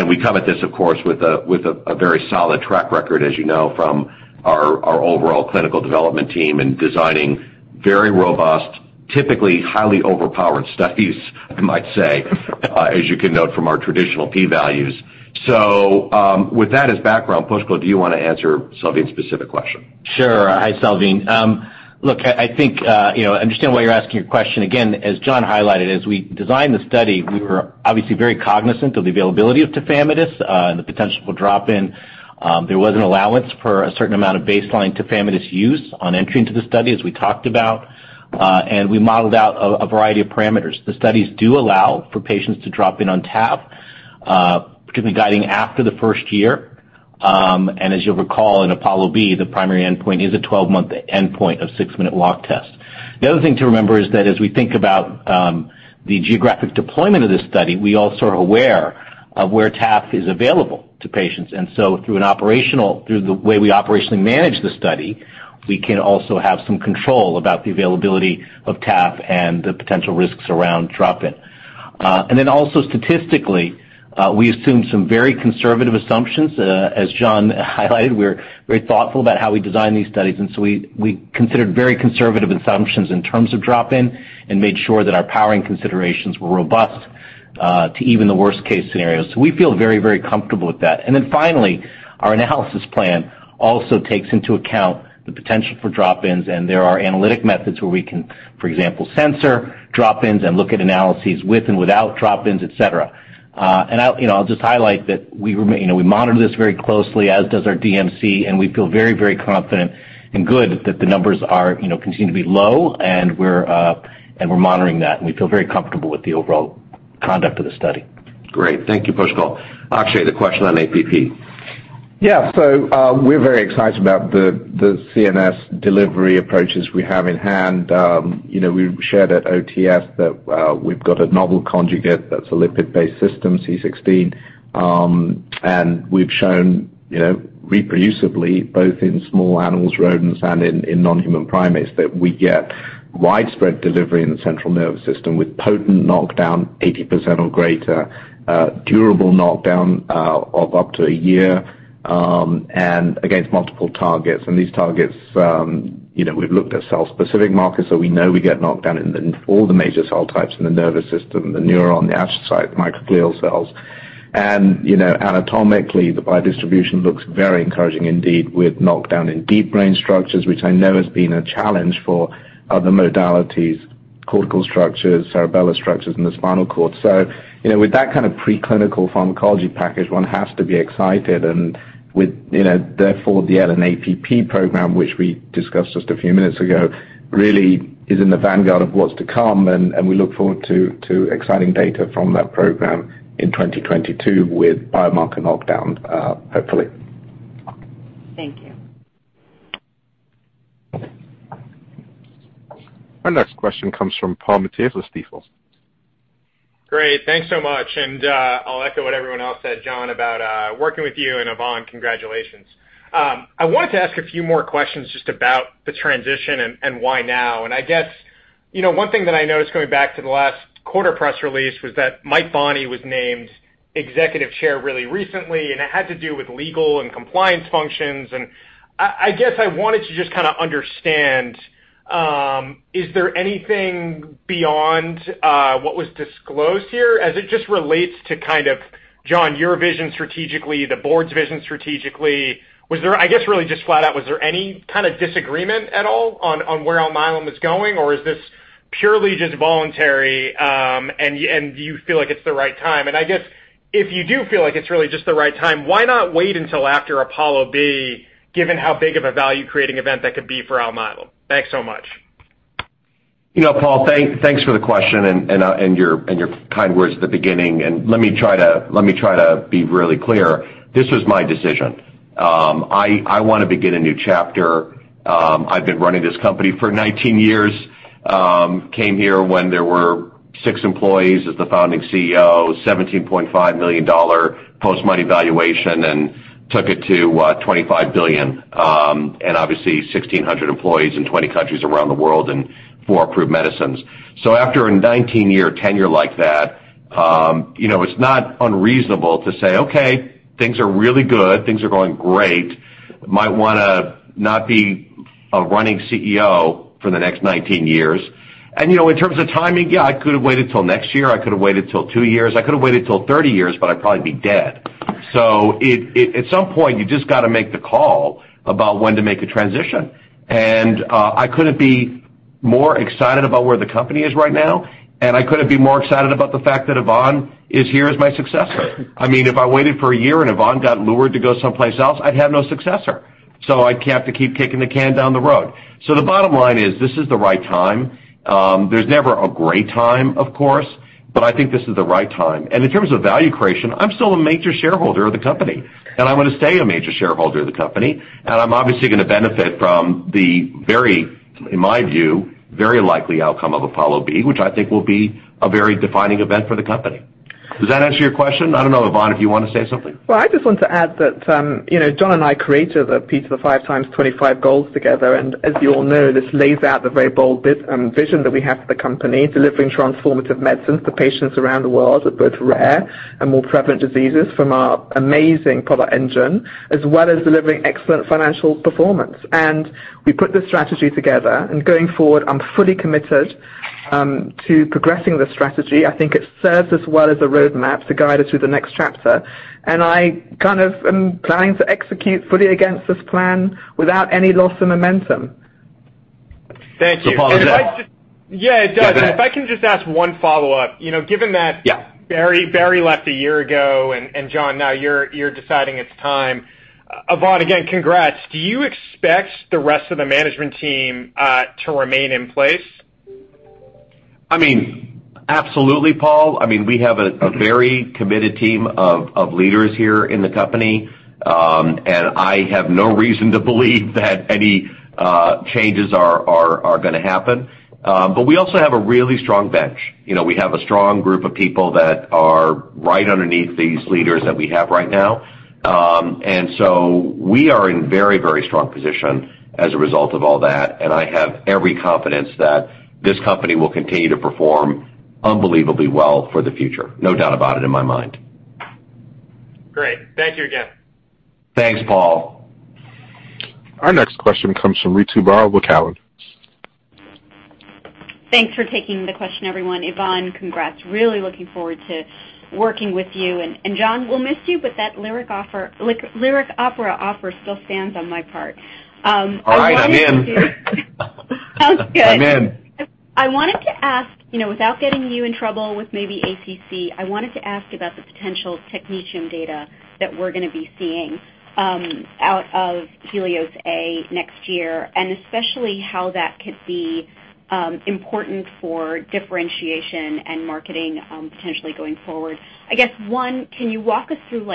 We come at this, of course, with a very solid track record, as you know, from our overall clinical development team in designing very robust, typically highly overpowered studies, I might say, as you can note from our traditional P values. With that as background, Pushkal, do you want to answer Salveen's specific question? Sure. Hi, Salveen. Look, I think I understand why you are asking your question. Again, as John highlighted, as we designed the study, we were obviously very cognizant of the availability of tafamidis and the potential for drop-in. There was an allowance for a certain amount of baseline tafamidis use on entry into the study, as we talked about. We modeled out a variety of parameters. The studies do allow for patients to drop in on TAF, particularly guiding after the first year. As you'll recall, in APOLLO-B, the primary endpoint is a 12-month endpoint of six-minute walk test. The other thing to remember is that as we think about the geographic deployment of this study, we also are aware of where tafamidis is available to patients. So through the way we operationally manage the study, we can also have some control about the availability of tafamidis and the potential risks around drop-in. Then also, statistically, we assumed some very conservative assumptions. As John highlighted, we're very thoughtful about how we design these studies. So we considered very conservative assumptions in terms of drop-in and made sure that our powering considerations were robust to even the worst-case scenario. So we feel very, very comfortable with that. Then finally, our analysis plan also takes into account the potential for drop-ins. And there are analytic methods where we can, for example, censor drop-ins and look at analyses with and without drop-ins, etc. And I'll just highlight that we monitor this very closely, as does our DMC, and we feel very, very confident and good that the numbers continue to be low. And we're monitoring that. And we feel very comfortable with the overall conduct of the study. Great. Thank you, Pushkal. Akshay, the question on APP. Yeah. So we're very excited about the CNS delivery approaches we have in hand. We shared at OTS that we've got a novel conjugate that's a lipid-based system, C16. And we've shown reproducibly, both in small animals, rodents, and in non-human primates, that we get widespread delivery in the central nervous system with potent knockdown, 80% or greater, durable knockdown of up to a year and against multiple targets. And these targets, we've looked at cell-specific markers. So we know we get knockdown in all the major cell types in the nervous system, the neuron, the astrocytes, microglial cells. And anatomically, the biodistribution looks very encouraging, indeed, with knockdown in deep brain structures, which I know has been a challenge for other modalities, cortical structures, cerebellar structures, and the spinal cord. So with that kind of preclinical pharmacology package, one has to be excited. And therefore, the ALN-APP program, which we discussed just a few minutes ago, really is in the vanguard of what's to come. And we look forward to exciting data from that program in 2022 with biomarker knockdown, hopefully. Thank you. Our next question comes from Paul Matteis at Stifel. Great. Thanks so much. And I'll echo what everyone else said, John, about working with you. And Yvonne, congratulations. I wanted to ask a few more questions just about the transition and why now. And I guess one thing that I noticed going back to the last quarter press release was that Mike Bonney was named Executive Chair really recently. And it had to do with legal and compliance functions. And I guess I wanted to just kind of understand, is there anything beyond what was disclosed here? As it just relates to kind of, John, your vision strategically, the board's vision strategically, I guess really just flat out, was there any kind of disagreement at all on where Alnylam is going? Or is this purely just voluntary, and you feel like it's the right time? And I guess if you do feel like it's really just the right time, why not wait until after APOLLO-B, given how big of a value-creating event that could be for Alnylam? Thanks so much. Paul, thanks for the question and your kind words at the beginning. And let me try to be really clear. This was my decision. I want to begin a new chapter. I've been running this company for 19 years. Came here when there were six employees as the founding CEO, $17.5 million post-money valuation, and took it to $25 billion. And obviously, 1,600 employees in 20 countries around the world and four approved medicines. So after a 19-year tenure like that, it's not unreasonable to say, "Okay, things are really good. Things are going great. Might want to not be a running CEO for the next 19 years." And in terms of timing, yeah, I could have waited till next year. I could have waited till two years. I could have waited till 30 years, but I'd probably be dead. So at some point, you just got to make the call about when to make a transition. And I couldn't be more excited about where the company is right now. And I couldn't be more excited about the fact that Yvonne is here as my successor. I mean, if I waited for a year and Yvonne got lured to go someplace else, I'd have no successor. So I'd have to keep kicking the can down the road. So the bottom line is this is the right time. There's never a great time, of course. But I think this is the right time. And in terms of value creation, I'm still a major shareholder of the company. And I'm going to stay a major shareholder of the company. I'm obviously going to benefit from the very, in my view, very likely outcome of APOLLO-B, which I think will be a very defining event for the company. Does that answer your question? I don't know, Yvonne, if you want to say something. Well, I just want to add that John and I created the P5x25 goals together. As you all know, this lays out the very bold vision that we have for the company, delivering transformative medicines for patients around the world with both rare and more prevalent diseases from our amazing product engine, as well as delivering excellent financial performance. We put this strategy together. Going forward, I'm fully committed to progressing the strategy. I think it serves us well as a roadmap to guide us through the next chapter. I kind of am planning to execute fully against this plan without any loss of momentum. Thank you. Yeah, it does. If I can just ask one follow-up, given that Barry left a year ago, and John, now you're deciding it's time. Yvonne, again, congrats. Do you expect the rest of the management team to remain in place? I mean, absolutely, Paul. I mean, we have a very committed team of leaders here in the company. And I have no reason to believe that any changes are going to happen. But we also have a really strong bench. We have a strong group of people that are right underneath these leaders that we have right now. And so we are in a very, very strong position as a result of all that. I have every confidence that this company will continue to perform unbelievably well for the future. No doubt about it in my mind. Great. Thank you again. Thanks, Paul. Our next question comes from Ritu Baral, Cowen. Thanks for taking the question, everyone. Yvonne, congrats. Really looking forward to working with you. And John, we'll miss you, but that Lyric Opera offer still stands on my part. All right. I'm in. Sounds good. I'm in. I wanted to ask, without getting you in trouble with maybe the SEC, I wanted to ask about the potential technetium data that we're going to be seeing out of HELIOS-A next year, and especially how that could be important for differentiation and marketing potentially going forward. I guess, one, can you walk us through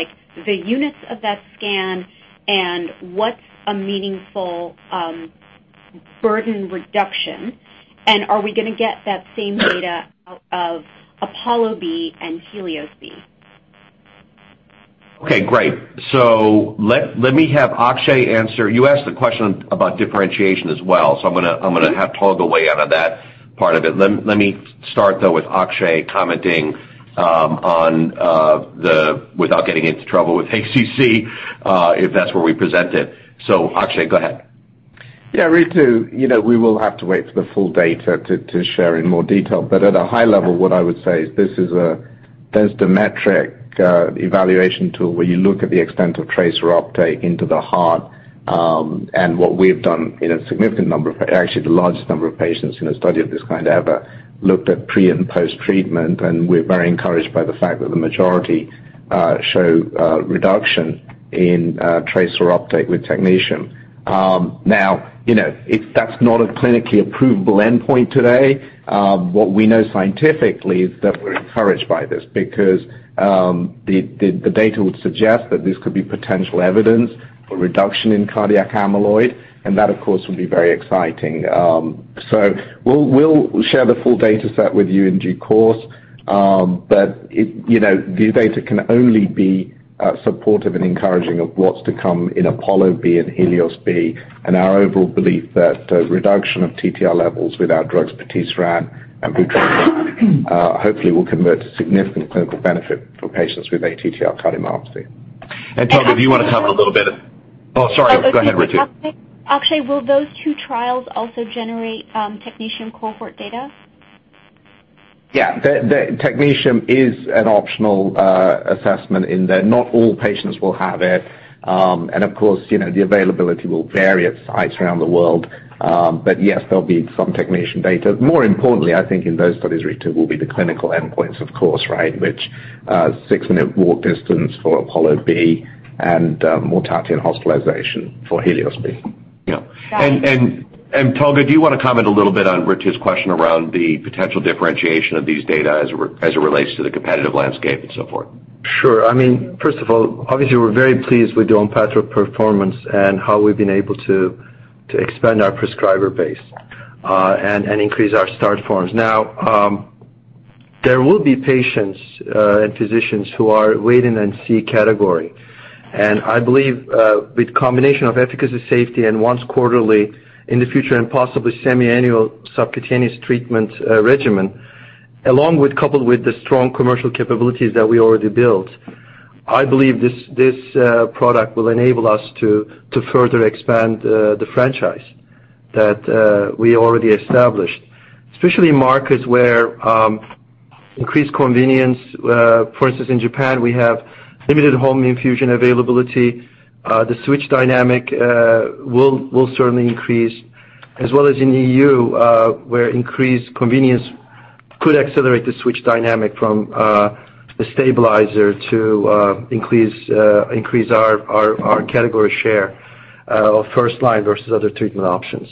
the units of that scan and what's a meaningful burden reduction? And are we going to get that same data out of APOLLO-B and HELIOS-B? Okay. Great. So let me have Akshay answer. You asked the question about differentiation as well. So I'm going to have Paul weigh in on that part of it. Let me start, though, with Akshay commenting on this without getting into trouble with SEC, if that's where we present it. So Akshay, go ahead. Yeah. Ritu, we will have to wait for the full data to share in more detail. But at a high level, what I would say is this is a densitometric evaluation tool where you look at the extent of tracer uptake into the heart. And what we've done in a significant number of, actually, the largest number of patients in a study of this kind ever looked at pre and post-treatment. And we're very encouraged by the fact that the majority show reduction in tracer uptake with technetium. Now, if that's not a clinically approvable endpoint today, what we know scientifically is that we're encouraged by this because the data would suggest that this could be potential evidence for reduction in cardiac amyloid. And that, of course, would be very exciting. So we'll share the full data set with you in due course. But the data can only be supportive and encouraging of what's to come in APOLLO-B and HELIOS-B. And our overall belief that reduction of TTR levels without drugs patisiran and vutrisiran hopefully will convert to significant clinical benefit for patients with ATTR cardiomyopathy. And Toby, do you want to comment a little bit? Oh, sorry. Go ahead, Ritu. Akshay, will those two trials also generate technetium cohort data? Yeah. Technetium is an optional assessment in there. Not all patients will have it. And of course, the availability will vary at sites around the world. But yes, there'll be some technetium data. More importantly, I think in those studies, Ritu, will be the clinical endpoints, of course, right, which are six-minute walk distance for APOLLO-B and mortality and hospitalization for HELIOS-B. And Tolga, do you want to comment a little bit on Ritu's question around the potential differentiation of these data as it relates to the competitive landscape and so forth? Sure. I mean, first of all, obviously, we're very pleased with the ONPATTRO performance and how we've been able to expand our prescriber base and increase our start forms. Now, there will be patients and physicians who are wait and see category. I believe with a combination of efficacy, safety, and once quarterly in the future and possibly semi-annual subcutaneous treatment regimen, along with the strong commercial capabilities that we already built, I believe this product will enable us to further expand the franchise that we already established, especially in markets where increased convenience, for instance, in Japan, we have limited home infusion availability. The switch dynamic will certainly increase, as well as in the EU, where increased convenience could accelerate the switch dynamic from the stabilizer to increase our category share of first-line versus other treatment options.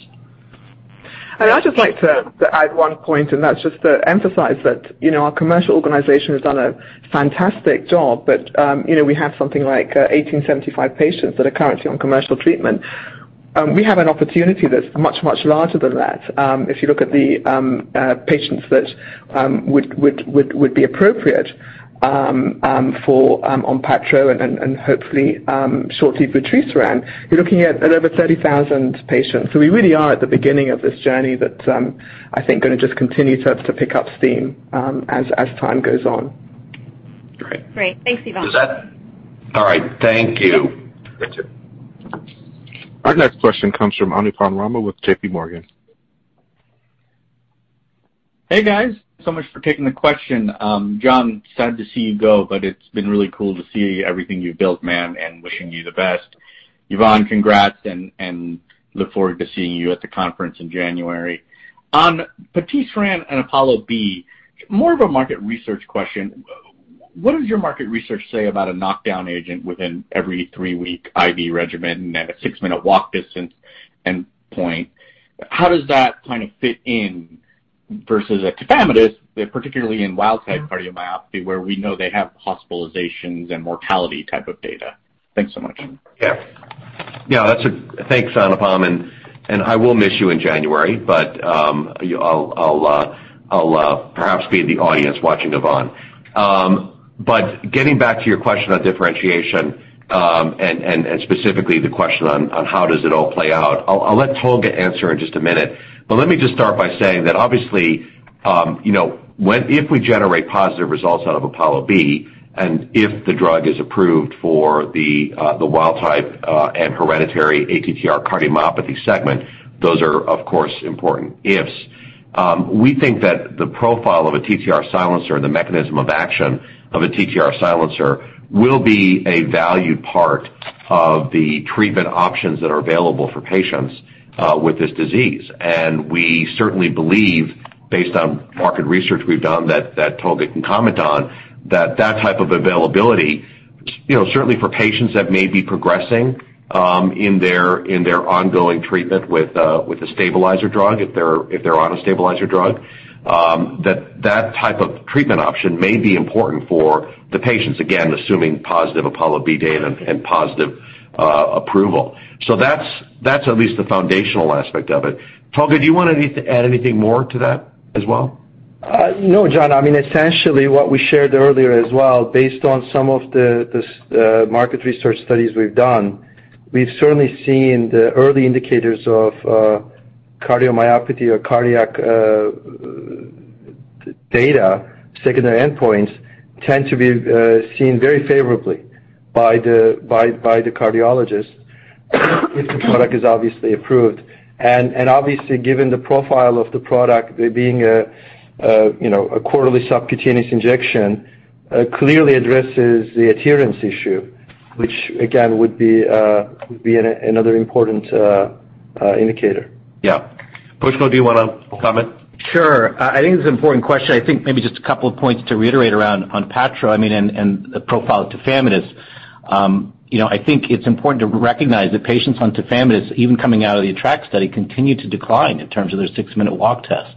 I'd just like to add one point. That's just to emphasize that our commercial organization has done a fantastic job. We have something like 1,875 patients that are currently on commercial treatment. We have an opportunity that's much, much larger than that. If you look at the patients that would be appropriate for ONPATTRO and hopefully shortly for vutrisiran, you're looking at over 30,000 patients. So we really are at the beginning of this journey that I think is going to just continue to pick up steam as time goes on. Great. Great. Thanks, Yvonne. All right. Thank you. Our next question comes from Anupam Rama with J.P. Morgan. Hey, guys. Thanks so much for taking the question. John, sad to see you go, but it's been really cool to see everything you've built, man, and wishing you the best. Yvonne, congrats. And look forward to seeing you at the conference in January. On patisiran and APOLLO-B, more of a market research question. What does your market research say about a knockdown agent within every three-week IV regimen and a six-minute walk distance endpoint? How does that kind of fit in versus a tafamidis, particularly in wild-type cardiomyopathy, where we know they have hospitalizations and mortality type of data? Thanks so much. Yeah. Yeah. Thanks, Anupam. And I will miss you in January, but I'll perhaps be in the audience watching Yvonne. But getting back to your question on differentiation and specifically the question on how does it all play out, I'll let Tolga answer in just a minute. But let me just start by saying that obviously, if we generate positive results out of APOLLO-B, and if the drug is approved for the wild-type and hereditary ATTR cardiomyopathy segment, those are, of course, important ifs. We think that the profile of a TTR silencer and the mechanism of action of a TTR silencer will be a valued part of the treatment options that are available for patients with this disease. We certainly believe, based on market research we've done that Tolga can comment on, that that type of availability, certainly for patients that may be progressing in their ongoing treatment with a stabilizer drug, if they're on a stabilizer drug, that that type of treatment option may be important for the patients, again, assuming positive APOLLO-B data and positive approval. That's at least the foundational aspect of it. Tolga, do you want to add anything more to that as well? No, John. I mean, essentially, what we shared earlier as well, based on some of the market research studies we've done, we've certainly seen the early indicators of cardiomyopathy or cardiac data secondary endpoints tend to be seen very favorably by the cardiologist if the product is obviously approved. Obviously, given the profile of the product, being a quarterly subcutaneous injection clearly addresses the adherence issue, which, again, would be another important indicator. Yeah. Pushkal, do you want to comment? Sure. I think it's an important question. I think maybe just a couple of points to reiterate around ONPATTRO and the profile of tafamidis. I think it's important to recognize that patients on tafamidis, even coming out of the ATTR-ACT study, continue to decline in terms of their six-minute walk test.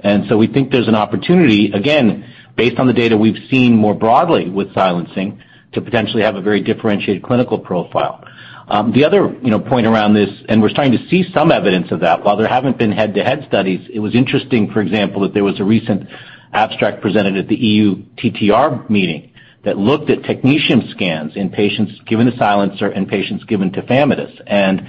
And so we think there's an opportunity, again, based on the data we've seen more broadly with silencing, to potentially have a very differentiated clinical profile. The other point around this, and we're starting to see some evidence of that, while there haven't been head-to-head studies, it was interesting, for example, that there was a recent abstract presented at the EU TTR meeting that looked at technetium scans in patients given a silencer and patients given tafamidis. And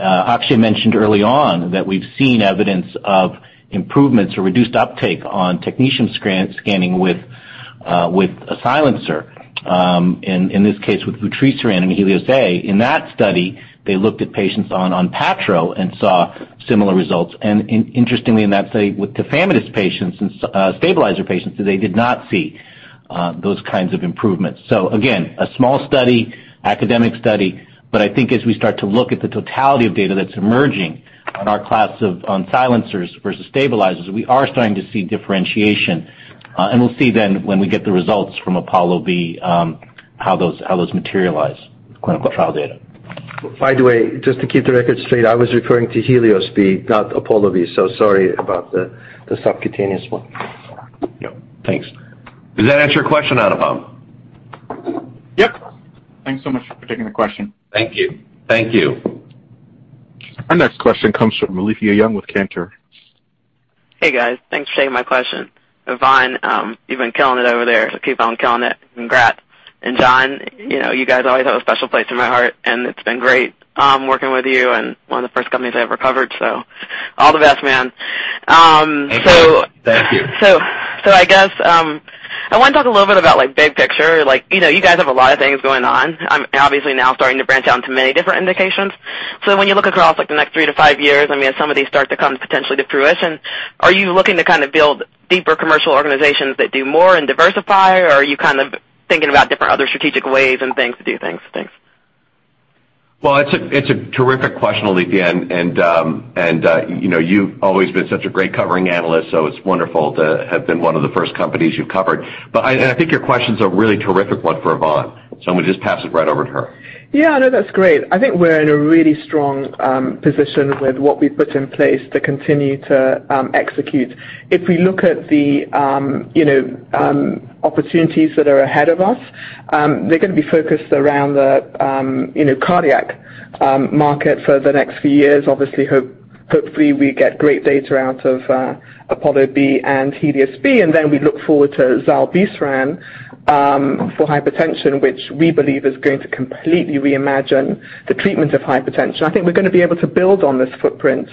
Akshay mentioned early on that we've seen evidence of improvements or reduced uptake on technetium scanning with a silencer, in this case with vutrisiran and HELIOS-A. In that study, they looked at patients on ONPATTRO and saw similar results. And interestingly, in that study with tafamidis patients and stabilizer patients, they did not see those kinds of improvements. So again, a small study, academic study. But I think as we start to look at the totality of data that's emerging on our class of silencers versus stabilizers, we are starting to see differentiation. We'll see then when we get the results from APOLLO-B how those materialize, clinical trial data. By the way, just to keep the record straight, I was referring to HELIOS-B, not APOLLO-B. So sorry about the subcutaneous one. Yeah. Thanks. Does that answer your question, Anupam? Yep. Thanks so much for taking the question. Thank you. Thank you. Our next question comes from Alethia Young with Cantor. Hey, guys. Thanks for taking my question. Yvonne, you've been killing it over there. So keep on killing it. Congrats. And John, you guys always have a special place in my heart. And it's been great working with you and one of the first companies I ever covered. So all the best, man. Thank you. I guess I want to talk a little bit about big picture. You guys have a lot of things going on. I'm obviously now starting to branch out into many different indications. So when you look across the next three to five years, I mean, as some of these start to come potentially to fruition, are you looking to kind of build deeper commercial organizations that do more and diversify, or are you kind of thinking about different other strategic ways and things to do things? Well, it's a terrific question, Alethia. And you've always been such a great covering analyst, so it's wonderful to have been one of the first companies you've covered. But I think your questions are a really terrific one for Yvonne. So I'm going to just pass it right over to her. Yeah. No, that's great. I think we're in a really strong position with what we've put in place to continue to execute. If we look at the opportunities that are ahead of us, they're going to be focused around the cardiac market for the next few years. Obviously, hopefully, we get great data out of APOLLO-B and HELIOS- B. And then we look forward to zilebesiran for hypertension, which we believe is going to completely reimagine the treatment of hypertension. I think we're going to be able to build on this footprint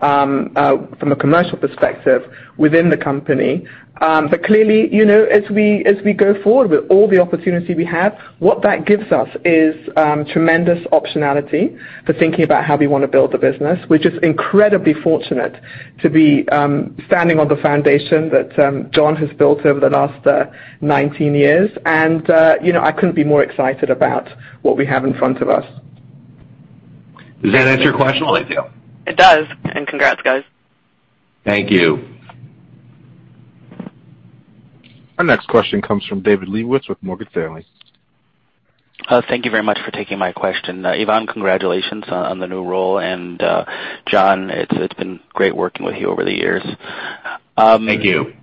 from a commercial perspective within the company. But clearly, as we go forward with all the opportunity we have, what that gives us is tremendous optionality for thinking about how we want to build the business. We're just incredibly fortunate to be standing on the foundation that John has built over the last 19 years. And I couldn't be more excited about what we have in front of us. Does that answer your question, Alethia? It does. Congrats, guys. Thank you. Our next question comes from David Lebowitz with Morgan Stanley. Thank you very much for taking my question. Yvonne, congratulations on the new role. And John, it's been great working with you over the years. Thank you.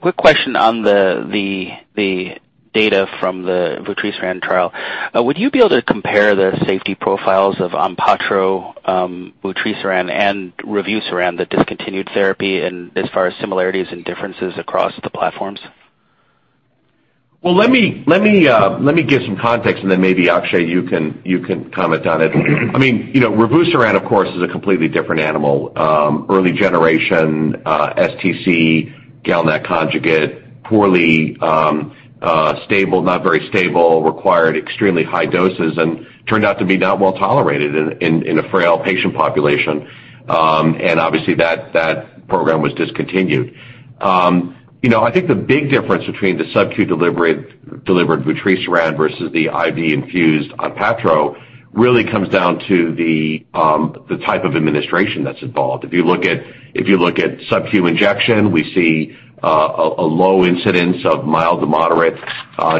Quick question on the data from the vutrisiran trial. Would you be able to compare the safety profiles of ONPATTRO, vutrisiran, and revusiran, the discontinued therapy, as far as similarities and differences across the platforms? Let me give some context, and then maybe Akshay, you can comment on it. I mean, revusiran, of course, is a completely different animal. Early generation, STC, GalNAc conjugate, poorly stable, not very stable, required extremely high doses, and turned out to be not well tolerated in a frail patient population. Obviously, that program was discontinued. I think the big difference between the subcu-delivered vutrisiran versus the IV-infused ONPATTRO really comes down to the type of administration that's involved. If you look at subcu injection, we see a low incidence of mild to moderate,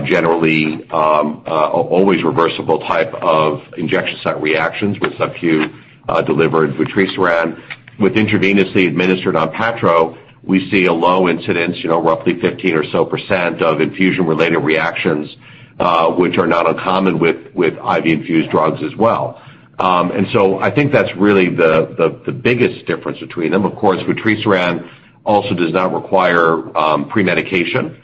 generally always reversible type of injection site reactions with subcu-delivered vutrisiran. With intravenously administered ONPATTRO, we see a low incidence, roughly 15% or so of infusion-related reactions, which are not uncommon with IV-infused drugs as well. And so I think that's really the biggest difference between them. Of course, vutrisiran also does not require pre-medication,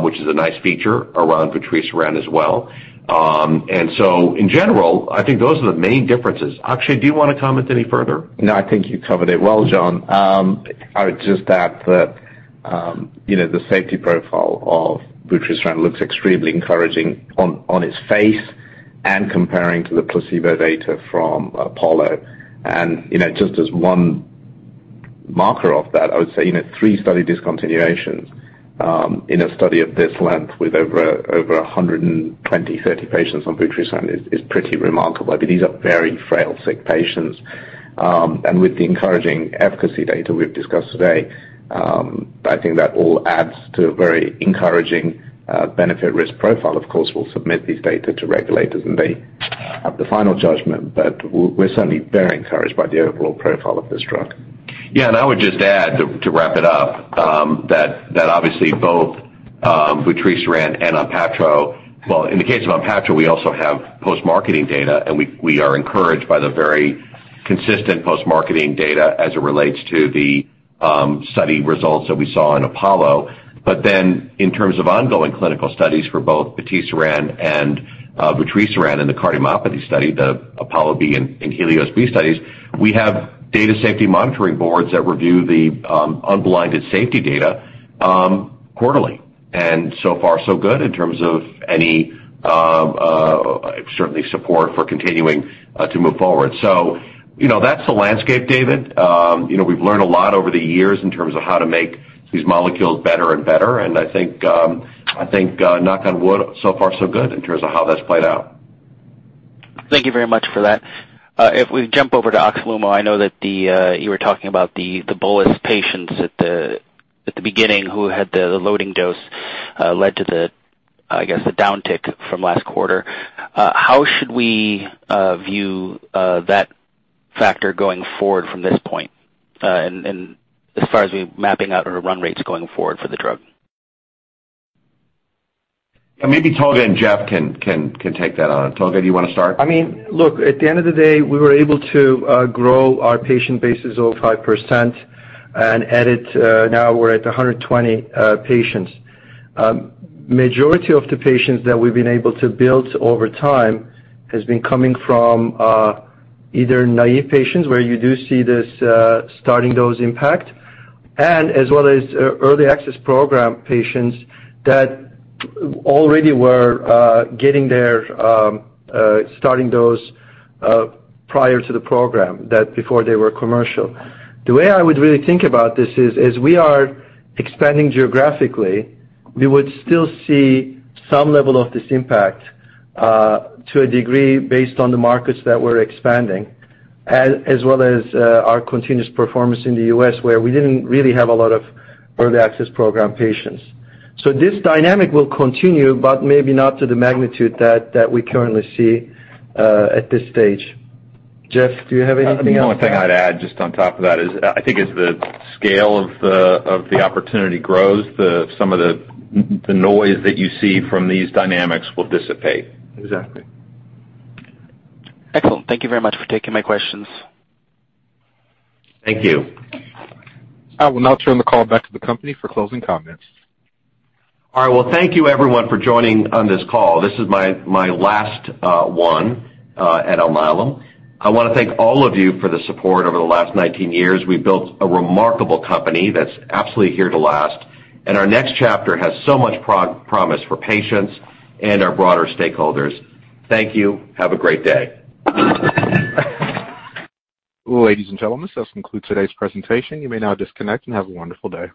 which is a nice feature around vutrisiran as well. And so in general, I think those are the main differences. Akshay, do you want to comment any further? No, I think you covered it well, John. I would just add that the safety profile of vutrisiran looks extremely encouraging on its face and comparing to the placebo data from APOLLO. Just as one marker of that, I would say three study discontinuations in a study of this length with over 230 patients on vutrisiran is pretty remarkable. I mean, these are very frail sick patients. With the encouraging efficacy data we've discussed today, I think that all adds to a very encouraging benefit-risk profile. Of course, we'll submit these data to regulators, and they have the final judgment. But we're certainly very encouraged by the overall profile of this drug. Yeah. I would just add to wrap it up that obviously, both vutrisiran and ONPATTRO. Well, in the case of ONPATTRO, we also have post-marketing data. We are encouraged by the very consistent post-marketing data as it relates to the study results that we saw in APOLLO. But then in terms of ongoing clinical studies for both patisiran and vutrisiran in the cardiomyopathy study, the APOLLO-B and HELIOS-B studies, we have data safety monitoring boards that review the unblinded safety data quarterly. And so far, so good in terms of safety. Certainly support for continuing to move forward. So that's the landscape, David. We've learned a lot over the years in terms of how to make these molecules better and better. And I think knock on wood, so far, so good in terms of how that's played out. Thank you very much for that. If we jump over to OXLUMO, I know that you were talking about the PH1 patients at the beginning who had the loading dose led to the, I guess, the downtick from last quarter. How should we view that factor going forward from this point as far as mapping out our run rates going forward for the drug? Yeah. Maybe Tolga and Jeff can take that on. Tolga, do you want to start? I mean, look, at the end of the day, we were able to grow our patient base over 5%. And now we're at 120 patients. Majority of the patients that we've been able to build over time has been coming from either naive patients where you do see this starting dose impact, and as well as early access program patients that already were getting their starting dose prior to the program, before they were commercial. The way I would really think about this is, as we are expanding geographically, we would still see some level of this impact to a degree based on the markets that we're expanding, as well as our continuous performance in the U.S. where we didn't really have a lot of early access program patients. So this dynamic will continue, but maybe not to the magnitude that we currently see at this stage. Jeff, do you have anything else? The only thing I'd add just on top of that is, I think as the scale of the opportunity grows, some of the noise that you see from these dynamics will dissipate. Exactly. Excellent. Thank you very much for taking my questions. Thank you. I will now turn the call back to the company for closing comments. All right. Well, thank you, everyone, for joining on this call. This is my last one at Alnylam. I want to thank all of you for the support over the last 19 years. We've built a remarkable company that's absolutely here to last, and our next chapter has so much promise for patients and our broader stakeholders. Thank you. Have a great day. Ladies and gentlemen, this does conclude today's presentation. You may now disconnect and have a wonderful day.